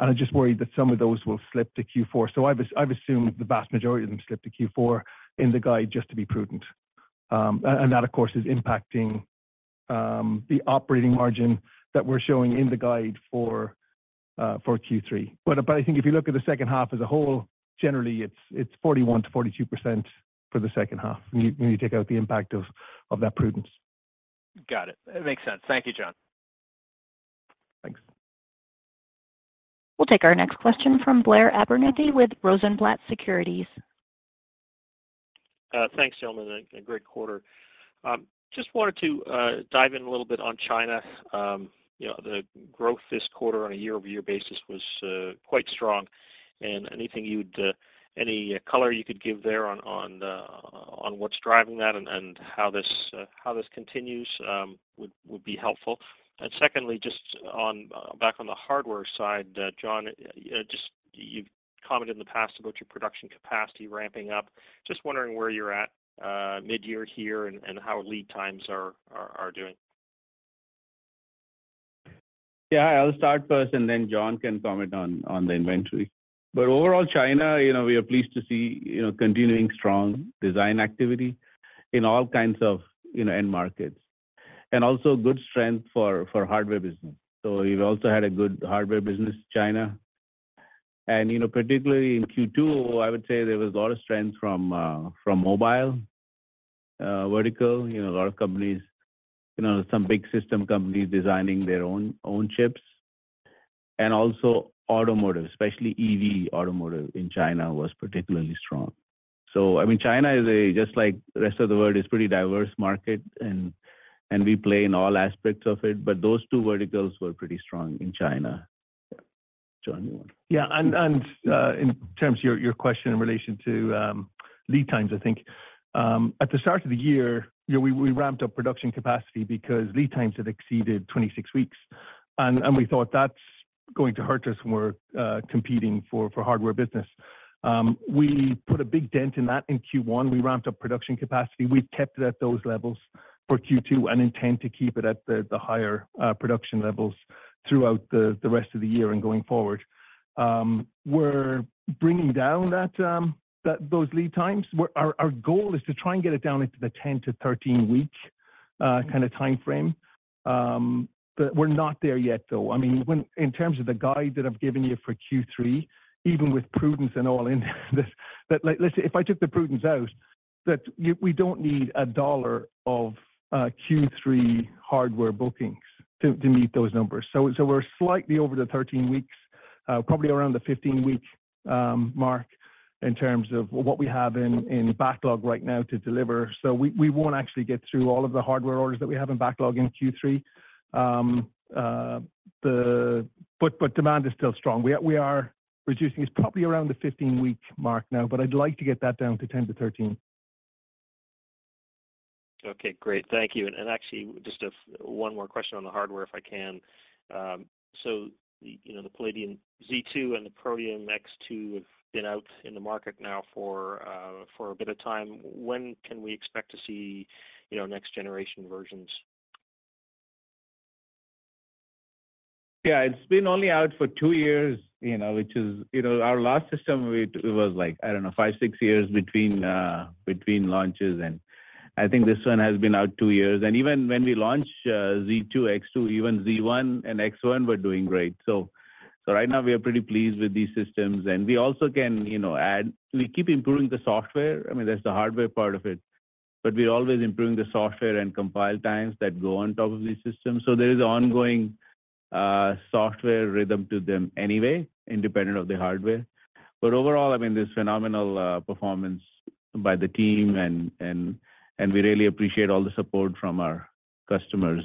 I'm just worried that some of those will slip to Q4. I've assumed the vast majority of them slip to Q4 in the guide, just to be prudent. That, of course, is impacting, the operating margin that we're showing in the guide for, Q3. I think if you look at the second half as a whole, generally, it's 41%-42% for the second half, when you take out the impact of that prudence. Got it. It makes sense. Thank you, John. Thanks. We'll take our next question from Blair Abernethy with Rosenblatt Securities. Thanks, gentlemen, and a great quarter. Just wanted to dive in a little bit on China. You know, the growth this quarter on a year-over-year basis was quite strong. Anything you'd any color you could give there on the, on what's driving that and how this continues would be helpful. Secondly, just on back on the hardware side, John, just you've commented in the past about your production capacity ramping up. Just wondering where you're at midyear here and how lead times are doing? Yeah, I'll start first, then John can comment on the inventory. Overall, China, you know, we are pleased to see, you know, continuing strong design activity in all kinds of, you know, end markets, also good strength for hardware business. We've also had a good hardware business, China. You know, particularly in Q2, I would say there was a lot of strength from mobile vertical. You know, a lot of companies, you know, some big system companies designing their own chips. Also automotive, especially EV automotive in China, was particularly strong. I mean, China is, just like the rest of the world, is pretty diverse market, and we play in all aspects of it, but those two verticals were pretty strong in China. John, you want. Yeah, and, in terms of your question in relation to lead times, I think, at the start of the year, you know, we ramped up production capacity because lead times had exceeded 26 weeks, and we thought, "That's going to hurt us when we're competing for hardware business." We put a big dent in that in Q1. We ramped up production capacity. We've kept it at those levels for Q2 and intend to keep it at the higher production levels throughout the rest of the year and going forward. We're bringing down that those lead times. Our goal is to try and get it down into the 10-13-week kind of time frame. We're not there yet, though. I mean, when, in terms of the guide that I've given you for Q3, even with prudence and all in, but like, let's say, if I took the prudence out, that we don't need a dollar of Q3 hardware bookings to meet those numbers. We're slightly over the 13 weeks, probably around the 15-week mark, in terms of what we have in backlog right now to deliver. We won't actually get through all of the hardware orders that we have in backlog in Q3. Demand is still strong. We are reducing. It's probably around the 15-week mark now, but I'd like to get that down to 10 to 13 weeks. Okay, great. Thank you. Actually, just one more question on the hardware, if I can? You know, the Palladium Z2 and the Protium X2 have been out in the market now for a bit of time. When can we expect to see, you know, next generation versions? Yeah, it's been only out for two years, you know. You know, our last system, it was like, I don't know, five, six years between between launches, and I think this one has been out two years. Even when we launched Z2, X2, even Z1 and X1 were doing great. Right now we are pretty pleased with these systems, and we also can, you know, We keep improving the software. I mean, that's the hardware part of it, but we're always improving the software and compile times that go on top of these systems. There is ongoing software rhythm to them anyway, independent of the hardware. Overall, I mean, there's phenomenal performance by the team and we really appreciate all the support from our customers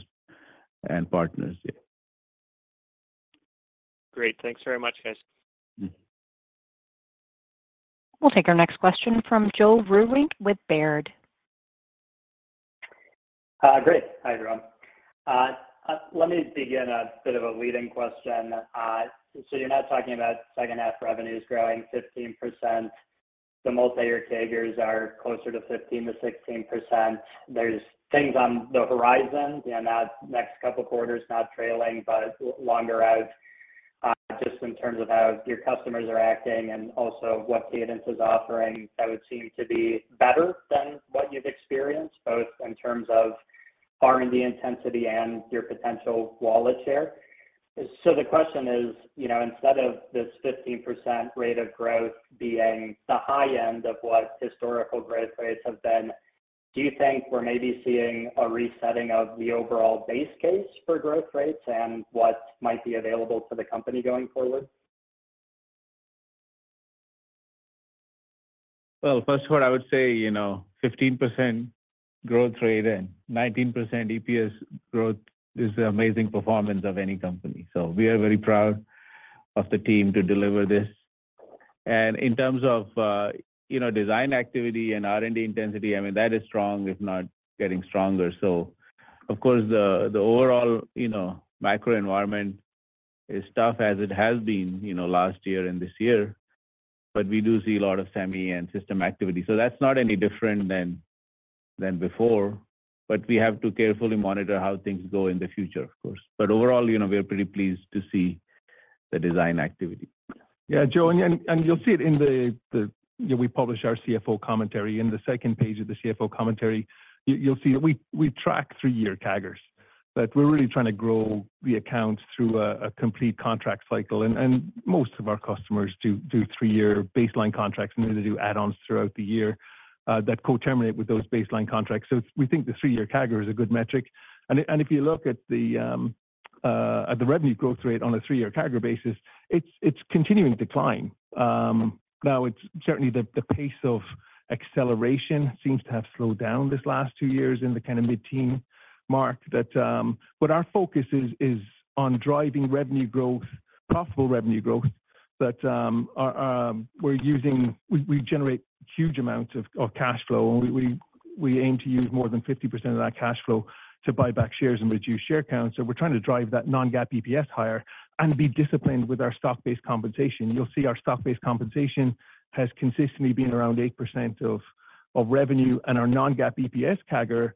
and partners. Yeah. Great. Thanks very much, guys. Mm-hmm. We'll take our next question from Joe Vruwink with Baird. Great. Hi, Devgan. Let me begin a bit of a leading question. You're now talking about second half revenues growing 15%. The multi-year CAGRs are closer to 15%-16%. There's things on the horizon, and not next couple of quarters, not trailing, but longer out, just in terms of how your customers are acting and also what Cadence is offering, that would seem to be better than what you've experienced, both in terms of R&D intensity and your potential wallet share. The question is: you know, instead of this 15% rate of growth being the high end of what historical growth rates have been, do you think we're maybe seeing a resetting of the overall base case for growth rates and what might be available to the company going forward? Well, first of all, I would say, you know, 15% growth rate and 19% EPS growth is an amazing performance of any company. We are very proud of the team to deliver this. In terms of, you know, design activity and R&D intensity, I mean, that is strong, if not getting stronger. Of course, the overall, you know, microenvironment as tough as it has been, you know, last year and this year, but we do see a lot of semi and system activity. That's not any different than before, but we have to carefully monitor how things go in the future, of course. Overall, you know, we are pretty pleased to see the design activity. Yeah, Joe, you'll see it in we publish our CFO commentary. In the second page of the CFO commentary, you'll see we track three-year CAGRs, that we're really trying to grow the accounts through a complete contract cycle. Most of our customers do three-year baseline contracts, and then they do add-ons throughout the year that co-terminate with those baseline contracts. We think the three-year CAGR is a good metric. If you look at the revenue growth rate on a three-year CAGR basis, it's continuing to decline. Now, it's certainly the pace of acceleration seems to have slowed down this last two years in the kind of mid-teen mark. Our focus is on driving revenue growth, profitable revenue growth that we're using. We generate huge amounts of cash flow, and we aim to use more than 50% of that cash flow to buy back shares and reduce share count. We're trying to drive that non-GAAP EPS higher and be disciplined with our stock-based compensation. You'll see our stock-based compensation has consistently been around 8% of revenue, and our non-GAAP EPS CAGR,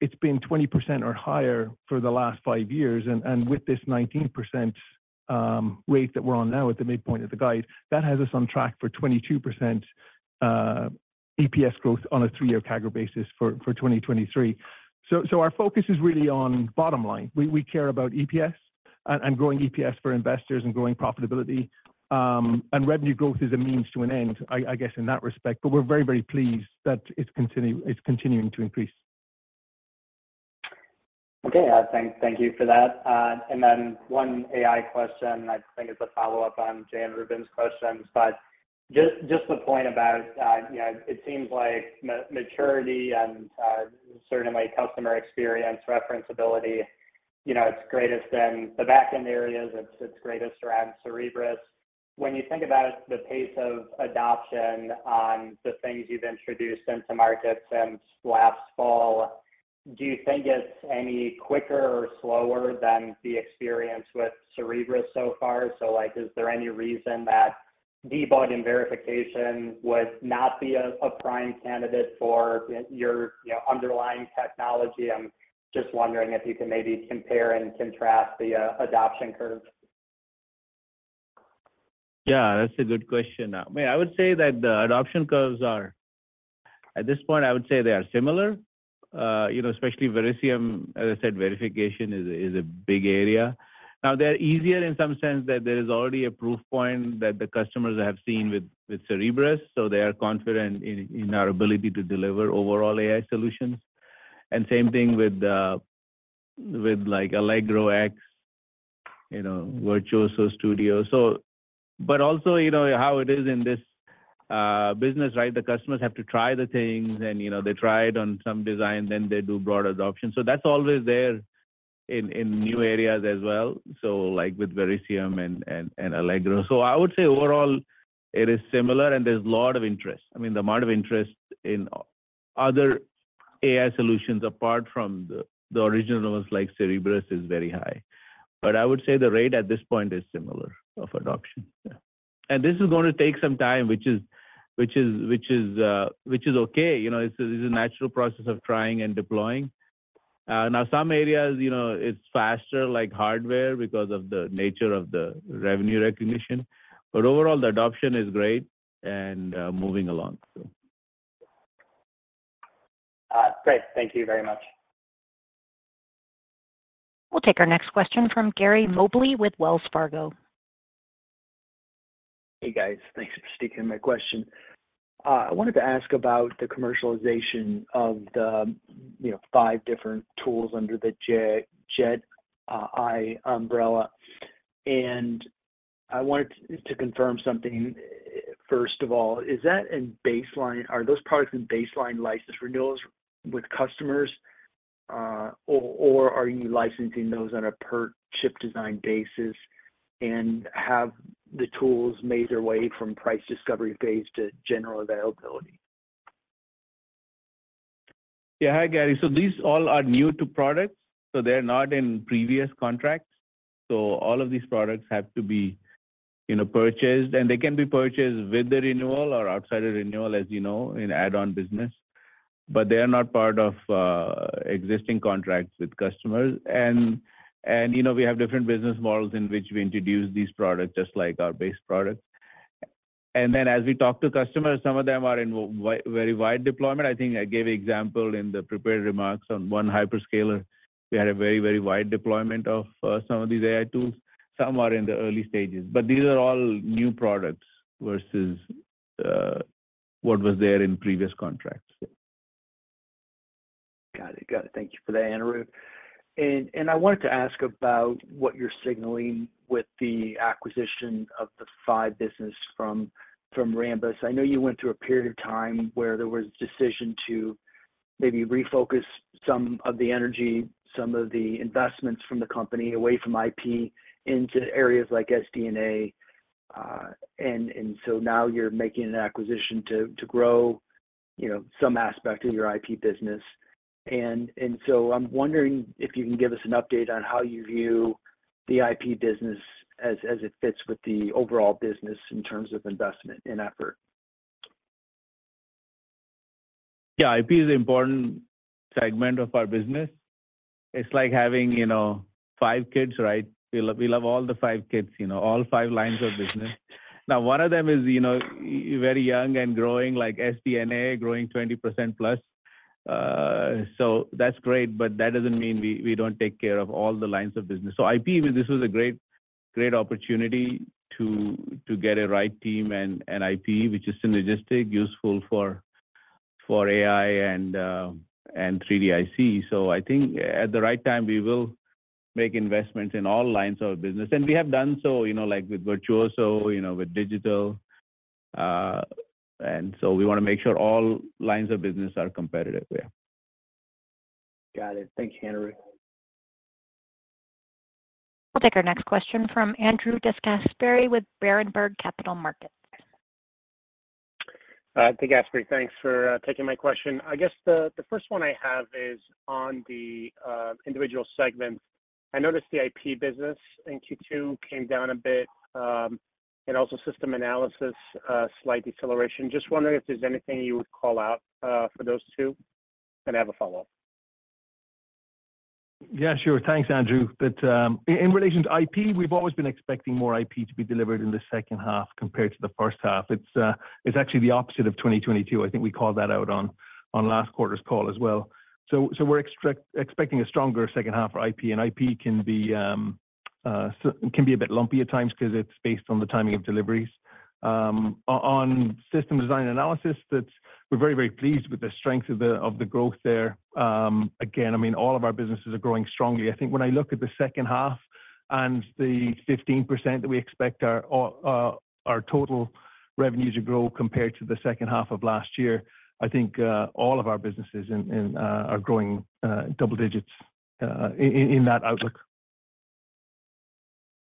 it's been 20% or higher for the last five years. With this 19% rate that we're on now at the midpoint of the guide, that has us on track for 22% EPS growth on a three-year CAGR basis for 2023. Our focus is really on bottom line. We care about EPS and growing EPS for investors and growing profitability. Revenue growth is a means to an end, I guess, in that respect, but we're very, very pleased that it's continuing to increase. Okay. thank you for that. One AI question I think is a follow-up on Jay Vleeschhouwer's questions, but just the point about, you know, it seems like maturity and, certainly customer experience, reference ability, you know, it's greatest in the back-end areas, it's greatest around Cerebrus. When you think about the pace of adoption on the things you've introduced into markets since last fall, do you think it's any quicker or slower than the experience with Cerebrus so far? So, like, is there any reason that debug and verification would not be a prime candidate for your, you know, underlying technology? I'm just wondering if you can maybe compare and contrast the, adoption curve. That's a good question. May I would say that the adoption curves are... At this point, I would say they are similar. You know, especially Verisium, as I said, verification is a big area. Now, they're easier in some sense that there is already a proof point that the customers have seen with Cerebrus, so they are confident in our ability to deliver overall AI solutions. Same thing with, like, Allegro X, you know, Virtuoso Studio. But also, you know how it is in this business, right? The customers have to try the things, and, you know, they try it on some design, then they do broad adoption. That's always there in new areas as well, like with Verisium and Allegro. I would say overall, it is similar, and there's a lot of interest. I mean, the amount of interest in other AI solutions, apart from the original ones like Cerebrus, is very high. I would say the rate at this point is similar of adoption. Yeah. This is going to take some time, which is okay. You know, it's a natural process of trying and deploying. Now, some areas, you know, it's faster, like hardware, because of the nature of the revenue recognition, but overall, the adoption is great and moving along. Great. Thank you very much. We'll take our next question from Gary Mobley with Wells Fargo. Hey, guys. Thanks for taking my question. I wanted to ask about the commercialization of the, you know, five different tools under the JedAI umbrella. I wanted to confirm something. First of all, are those products in baseline license renewals with customers, or are you licensing those on a per-ship design basis? Have the tools made their way from price discovery phase to general availability? Yeah. Hi, Gary Mobley. These all are new to products, so they're not in previous contracts. All of these products have to be, you know, purchased, and they can be purchased with the renewal or outside of renewal, as you know, in add-on business. They are not part of existing contracts with customers. You know, we have different business models in which we introduce these products, just like our base products. As we talk to customers, some of them are in very wide deployment. I think I gave example in the prepared remarks on one hyperscaler. We had a very, very wide deployment of some of these AI tools. Some are in the early stages, but these are all new products versus what was there in previous contracts. Got it. Got it. Thank you for that, Anirudh. I wanted to ask about what you're signaling with the acquisition of the PHY business from Rambus. I know you went through a period of time where there was a decision to maybe refocus some of the energy, some of the investments from the company away from IP into areas like SD&A. now you're making an acquisition to, you know, some aspect of your IP business. I'm wondering if you can give us an update on how you view the IP business as it fits with the overall business in terms of investment and effort? Yeah, IP is an important segment of our business. It's like having, you know, five kids, right? We love all the five kids, you know, all five lines of business. One of them is, you know, very young and growing, like SD&A, growing 20%+. That's great, but that doesn't mean we don't take care of all the lines of business. IP, this was a great opportunity to get a right team and IP, which is synergistic, useful for AI and 3D IC. I think at the right time, we will make investments in all lines of business, and we have done so, you know, like with Virtuoso, you know, with digital. We want to make sure all lines of business are competitive, yeah. Got it. Thank you, Anirudh. We'll take our next question from Andrew DeGasperi with Berenberg Capital Markets. Hey, DeGasperi, thanks for taking my question. I guess the first one I have is on the individual segments. I noticed the IP business in Q2 came down a bit, and also system analysis, slight deceleration. Just wondering if there's anything you would call out for those two, and I have a follow-up. Yeah, sure. Thanks, Andrew. In relation to IP, we've always been expecting more IP to be delivered in the second half compared to the first half. It's actually the opposite of 2022. I think we called that out on last quarter's call as well. We're expecting a stronger second half for IP, and IP can be a bit lumpy at times because it's based on the timing of deliveries. On System Design and Analysis, that we're very pleased with the strength of the growth there. Again, I mean, all of our businesses are growing strongly. I think when I look at the second half and the 15% that we expect our total revenue to grow compared to the second half of last year, I think all of our businesses and are growing double digits in that outlook.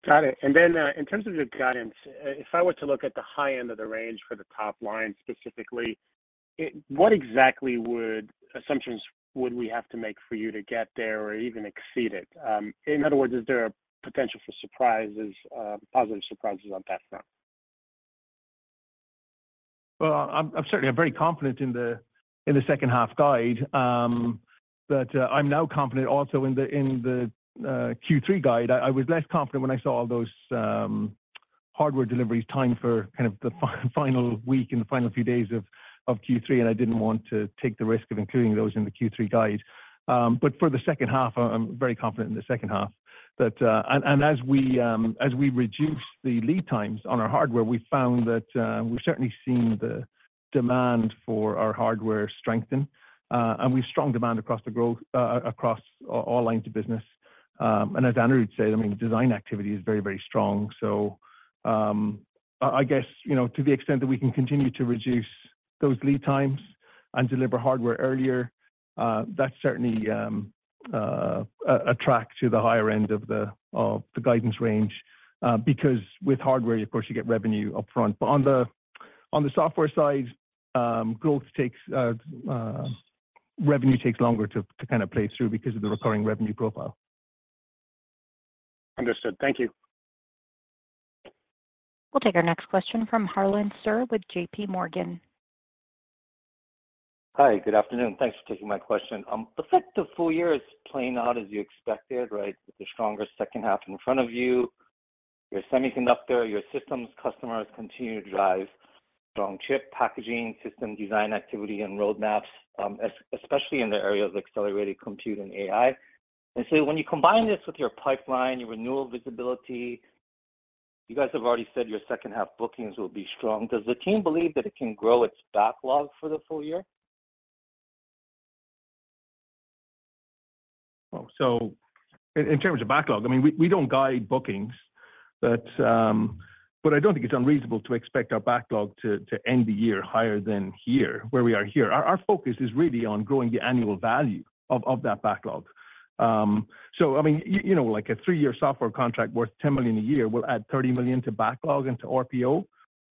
Got it. In terms of the guidance, if I were to look at the high end of the range for the top line, specifically, what exactly would assumptions would we have to make for you to get there or even exceed it? In other words, is there a potential for surprises, positive surprises on that front? I'm certainly very confident in the second half guide, but I'm now confident also in the Q3 guide. I was less confident when I saw all those hardware deliveries time for kind of the final week and the final few days of Q3, and I didn't want to take the risk of including those in the Q3 guide. For the second half, I'm very confident in the second half. As we as we reduce the lead times on our hardware, we found that we've certainly seen the demand for our hardware strengthen, and we've strong demand across the growth across all lines of business. As Anirudh said, I mean, design activity is very strong. I guess, you know, to the extent that we can continue to reduce those lead times and deliver hardware earlier, that's certainly a track to the higher end of the guidance range, because with hardware, of course, you get revenue upfront. On the software side, revenue takes longer to kind of play through because of the recurring revenue profile. Understood. Thank you. We'll take our next question from Harlan Sur with JPMorgan. Hi, good afternoon. Thanks for taking my question. The fact the full year is playing out as you expected, right, with the stronger second half in front of you, your semiconductor, your systems customers continue to drive strong chip packaging, system design, activity, and roadmaps, especially in the area of accelerated compute and AI. When you combine this with your pipeline, your renewal visibility, you guys have already said your second half bookings will be strong. Does the team believe that it can grow its backlog for the full year? In terms of backlog, we don't guide bookings, but I don't think it's unreasonable to expect our backlog to end the year higher than here, where we are here. Our focus is really on growing the annual value of that backlog. You know, a three-year software contract worth $10 million a year will add $30 million to backlog into RPO,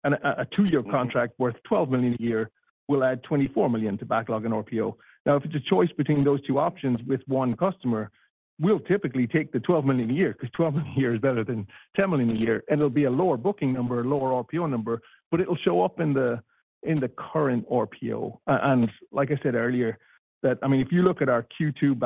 and a two-year contract worth $12 million a year will add $24 million to backlog in RPO. If it's a choice between those two options with one customer, we'll typically take the $12 million a year, because $12 million a year is better than $10 million a year, and it'll be a lower booking number, a lower RPO number, but it'll show up in the current RPO. Like I said earlier, that, I mean, if you look at our Q2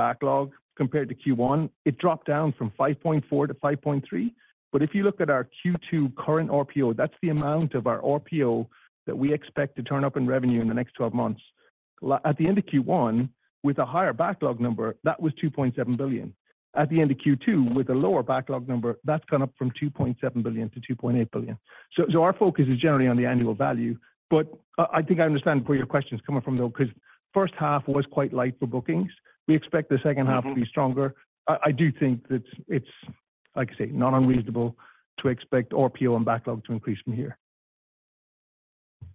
backlog compared to Q1, it dropped down from $5.4 billion to $5.3 billion. If you look at our Q2 current RPO, that's the amount of our RPO that we expect to turn up in revenue in the next 12 months. At the end of Q1, with a higher backlog number, that was $2.7 billion. At the end of Q2, with a lower backlog number, that's gone up from $2.7 billion to $2.8 billion. Our focus is generally on the annual value, but I think I understand where your question is coming from, though, because first half was quite light for bookings. We expect the second half to be stronger. I do think that it's, like I say, not unreasonable to expect RPO and backlog to increase from here.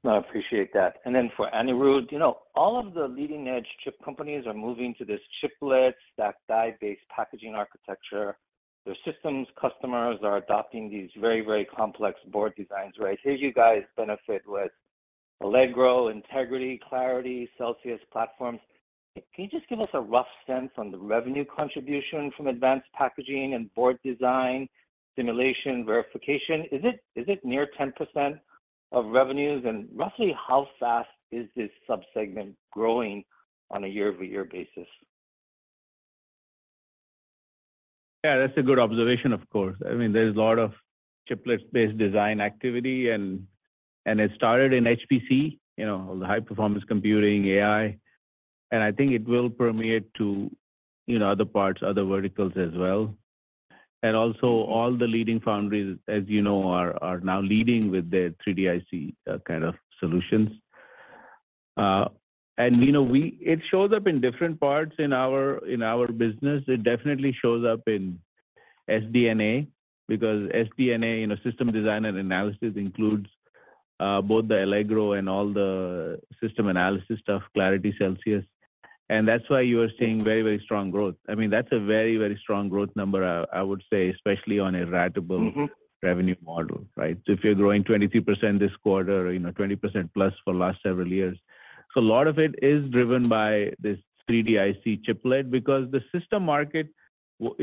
No, I appreciate that. Then for Anirudh, you know, all of the leading-edge chip companies are moving to this chiplet, stack die-based packaging architecture. The system's customers are adopting these very, very complex board designs, right? Here you guys benefit with Allegro, Integrity, Clarity, Celsius platforms. Can you just give us a rough sense on the revenue contribution from advanced packaging and board design, simulation, verification? Is it near 10% of revenues? Roughly, how fast is this subsegment growing on a year-over-year basis? Yeah, that's a good observation, of course. I mean, there's a lot of chiplets-based design activity and it started in HPC, you know, the high-performance computing, AI. I think it will permeate to, you know, other parts, other verticals as well. Also all the leading foundries, as you know, are now leading with their 3D IC kind of solutions. You know, it shows up in different parts in our business. It definitely shows up in SD&A, because SD&A, you know, System Design and Analysis, includes both the Allegro and all the system analysis stuff, Clarity, Celsius. That's why you are seeing very, very strong growth. I mean, that's a very, very strong growth number, I would say, especially on a ratable- Mm-hmm... revenue model, right? If you're growing 22% this quarter, you know, 20% plus for last several years. A lot of it is driven by this 3D IC chiplet, because the system market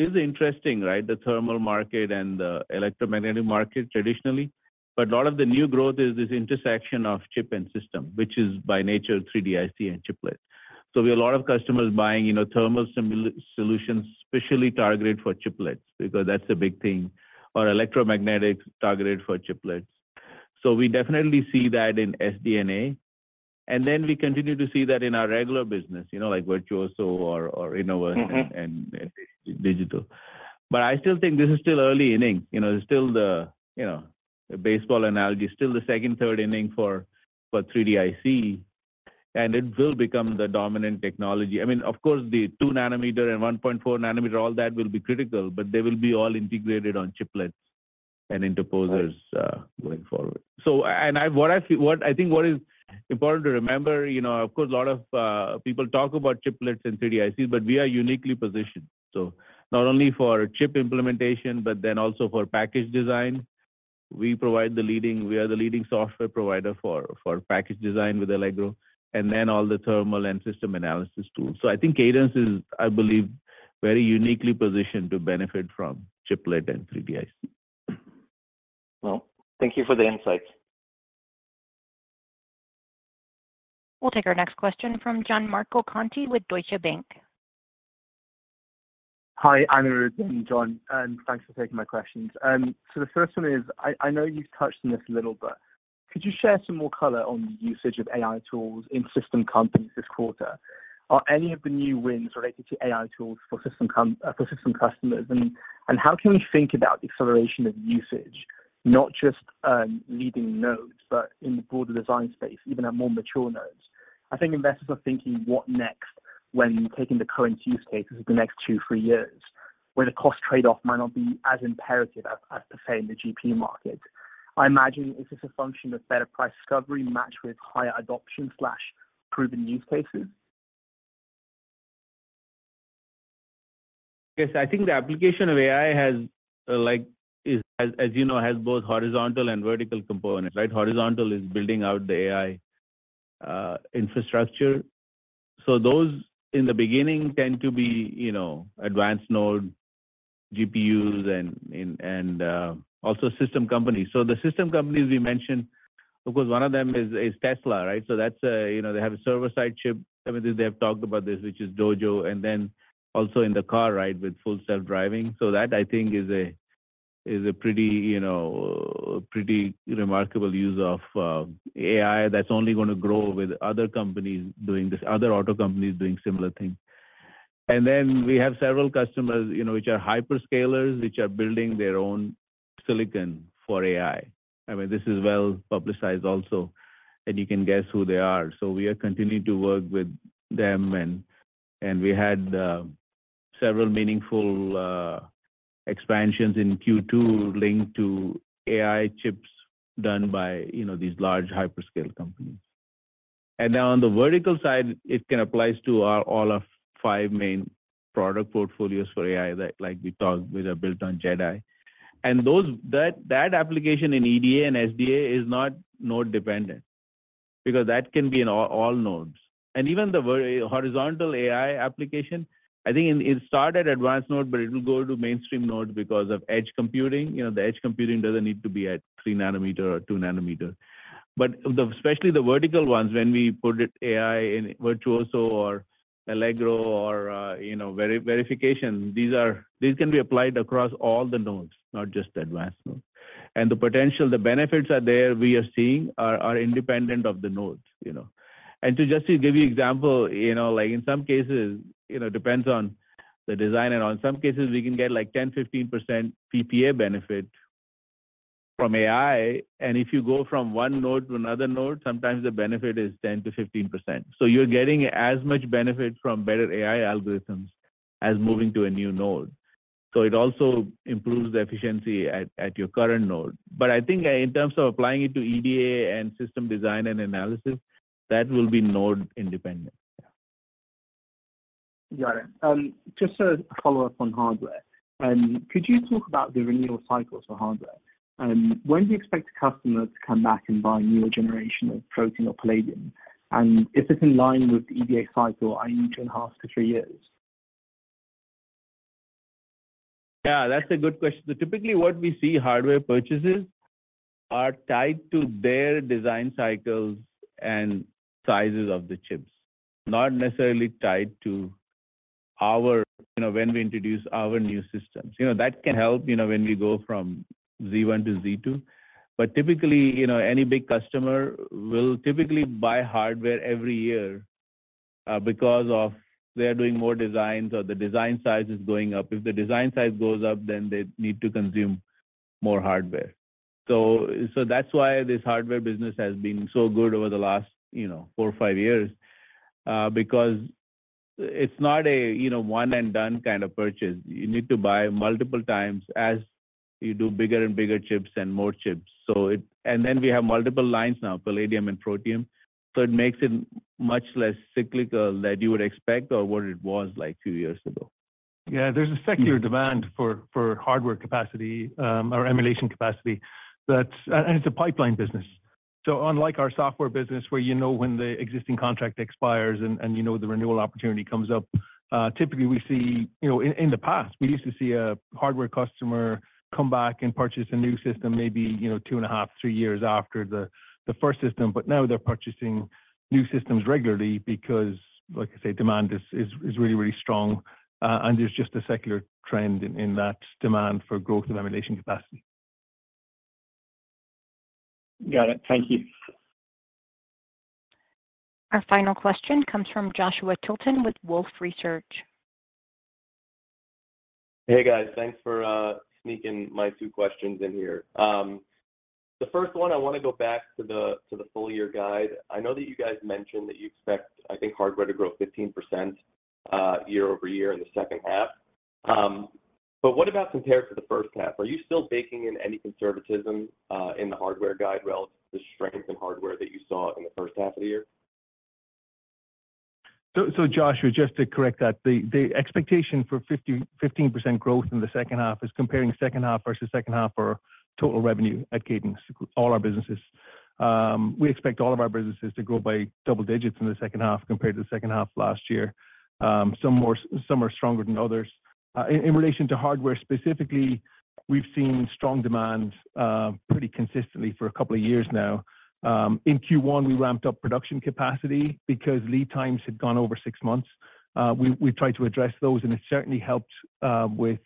is interesting, right? The thermal market and the electromagnetic market, traditionally. A lot of the new growth is this intersection of chip and system, which is by nature, 3D IC and chiplet. We have a lot of customers buying, you know, thermal solutions, especially targeted for chiplets, because that's the big thing, or electromagnetic targeted for chiplets. We definitely see that in SD&A, and then we continue to see that in our regular business, you know, like Virtuoso or Innovus- Mm-hmm... and digital. I still think this is still early inning. You know, it's still the, you know, baseball analogy, still the second, third inning for 3D IC, and it will become the dominant technology. I mean, of course, the 2 nm and 1.4 nm, all that will be critical, but they will be all integrated on chiplets and interposers going forward. What I feel, what I think what is important to remember, you know, of course, a lot of people talk about chiplets and 3D ICs, but we are uniquely positioned. Not only for chip implementation, but also for package design. We provide the leading, we are the leading software provider for package design with Allegro, and all the thermal and system analysis tools. I think Cadence is, I believe, very uniquely positioned to benefit from chiplet and 3D IC. Well, thank you for the insights. We'll take our next question from Gianmarco Conti with Deutsche Bank. Hi, Anirudh and John, and thanks for taking my questions. The first one is, I know you've touched on this a little bit. Could you share some more color on the usage of AI tools in system companies this quarter? Are any of the new wins related to AI tools for system customers? How can we think about the acceleration of usage, not just leading nodes, but in the broader design space, even at more mature nodes? I think investors are thinking, what next when taking the current use cases of the next two, three years, where the cost trade-off might not be as imperative as per se in the GPU market. I imagine, is this a function of better price discovery matched with higher adoption/proven use cases? Yes, I think the application of AI is, as you know, has both horizontal and vertical components, right? Horizontal is building out the AI infrastructure. Those in the beginning tend to be, you know, advanced node GPUs and also system companies. The system companies we mentioned, of course, one of them is Tesla, right? That's a, you know, they have a server-side chip. I mean, they have talked about this, which is Dojo, and then also in the car, right, with Full Self-Driving. That, I think, is a pretty, you know, pretty remarkable use of AI that's only going to grow with other companies doing this, other auto companies doing similar things. We have several customers, you know, which are hyperscalers, which are building their own silicon for AI. I mean, this is well-publicized also, you can guess who they are. We are continuing to work with them, and we had several meaningful expansions in Q2 linked to AI chips done by, you know, these large hyperscale companies. Now on the vertical side, it can applies to our all of five main product portfolios for AI, that, like we talked, which are built on JedAI. Those, that application in EDA and SDA is not node dependent, because that can be in all nodes. Even the very horizontal AI application, I think it started at advanced node, but it will go to mainstream nodes because of edge computing. You know, the edge computing doesn't need to be at 3 nm or 2 nm. The, especially the vertical ones, when we put it AI in Virtuoso or Allegro or, you know, verification, these can be applied across all the nodes, not just the advanced node. The potential, the benefits are there, we are seeing are independent of the nodes, you know. To just to give you example, you know, like in some cases, you know, depends on the design, and on some cases, we can get like 10%-15% PPA benefit from AI. If you go from 1 node to another node, sometimes the benefit is 10%-15%. You're getting as much benefit from better AI algorithms as moving to a new node. It also improves the efficiency at your current node. I think in terms of applying it to EDA and system design and analysis, that will be node independent. Got it. Just a follow-up on hardware. Could you talk about the renewal cycles for hardware? When do you expect a customer to come back and buy a newer generation of Protium or Palladium? If it's in line with the EDA cycle, I need to enhance for three years. Yeah, that's a good question. Typically what we see, hardware purchases are tied to their design cycles and sizes of the chips, not necessarily tied to our, you know, when we introduce our new systems. You know, that can help, you know, when we go from Z1 to Z2. Typically, you know, any big customer will typically buy hardware every year, because of they are doing more designs or the design size is going up. If the design size goes up, they need to consume more hardware. That's why this hardware business has been so good over the last, you know, four or five years, because it's not a, you know, one-and-done kind of purchase. You need to buy multiple times as you do bigger and bigger chips and more chips. We have multiple lines now, Palladium and Protium, so it makes it much less cyclical than you would expect or what it was like two years ago. There's a secular demand for hardware capacity, or emulation capacity. That's, it's a pipeline business. Unlike our software business, where you know when the existing contract expires and you know the renewal opportunity comes up, typically, we see... You know, in the past, we used to see a hardware customer come back and purchase a new system, maybe, you know, 2.5, three years after the first system. Now they're purchasing new systems regularly because, like I say, demand is, is really, really strong, and there's just a secular trend in that demand for growth and emulation capacity. Got it. Thank you. Our final question comes from Joshua Tilton with Wolfe Research. Hey, guys. Thanks for sneaking my two questions in here. The first one, I want to go back to the, to the full year guide. I know that you guys mentioned that you expect, I think, hardware to grow 15% year-over-year in the second half. What about compared to the first half? Are you still baking in any conservatism in the hardware guide relative to the strength in hardware that you saw in the first half of the year? Joshua, just to correct that, the expectation for 50, 15% growth in the second half is comparing second half versus second half for total revenue at Cadence, all our businesses. We expect all of our businesses to grow by double digits in the second half compared to the second half of last year. Some more, some are stronger than others. In relation to hardware specifically, we've seen strong demand pretty consistently for a couple of years now. In Q1, we ramped up production capacity because lead times had gone over 6 months. We tried to address those, and it certainly helped with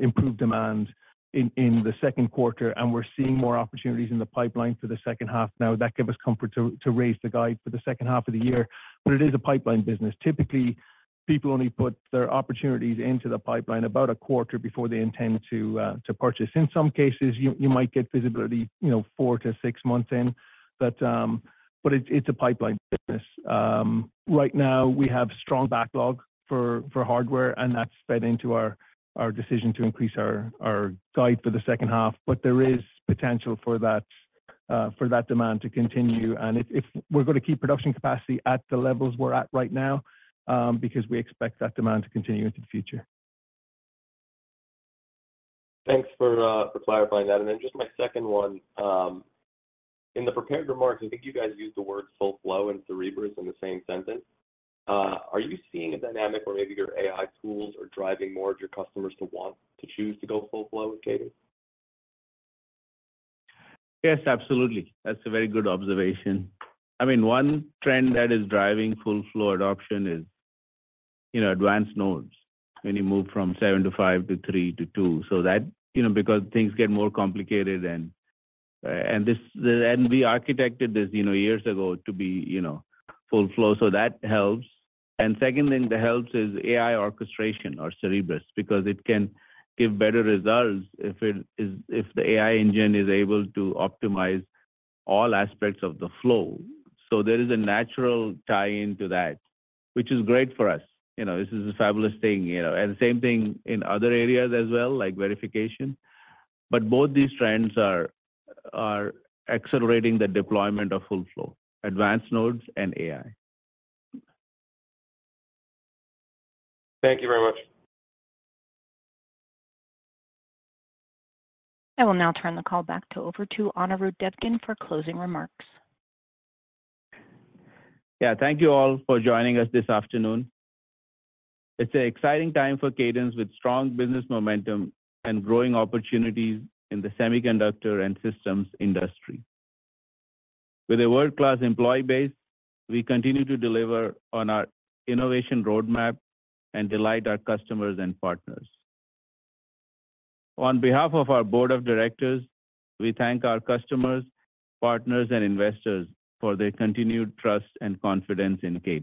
improved demand in the second quarter, and we're seeing more opportunities in the pipeline for the second half. That gave us comfort to raise the guide for the second half of the year. It is a pipeline business. Typically, people only put their opportunities into the pipeline about a quarter before they intend to purchase. In some cases, you might get visibility, you know, four to six months in, but it's a pipeline business. Right now, we have strong backlog for hardware, and that's fed into our decision to increase our guide for the second half. There is potential for that demand to continue. If we're going to keep production capacity at the levels we're at right now, because we expect that demand to continue into the future. Thanks for for clarifying that. Just my second one, in the prepared remarks, I think you guys used the word full flow and Cerebrus in the same sentence. Are you seeing a dynamic where maybe your AI tools are driving more of your customers to want to choose to go full flow with Cadence? Yes, absolutely. That's a very good observation. I mean, one trend that is driving full flow adoption is, you know, advanced nodes. When you move from seven to five to three to two, that, you know, because things get more complicated and we architected this, you know, years ago to be, you know, full flow. That helps. Secondly, that helps is AI orchestration or Cerebrus, because it can give better results if the AI engine is able to optimize all aspects of the flow. There is a natural tie-in to that, which is great for us. You know, this is a fabulous thing, you know, and the same thing in other areas as well, like verification. Both these trends are accelerating the deployment of full flow, advanced nodes and AI. Thank you very much. I will now turn the call back to over to Anirudh Devgan for closing remarks. Thank you all for joining us this afternoon. It's an exciting time for Cadence, with strong business momentum and growing opportunities in the semiconductor and systems industry. With a world-class employee base, we continue to deliver on our innovation roadmap and delight our customers and partners. On behalf of our board of directors, we thank our customers, partners, and investors for their continued trust and confidence in Cadence.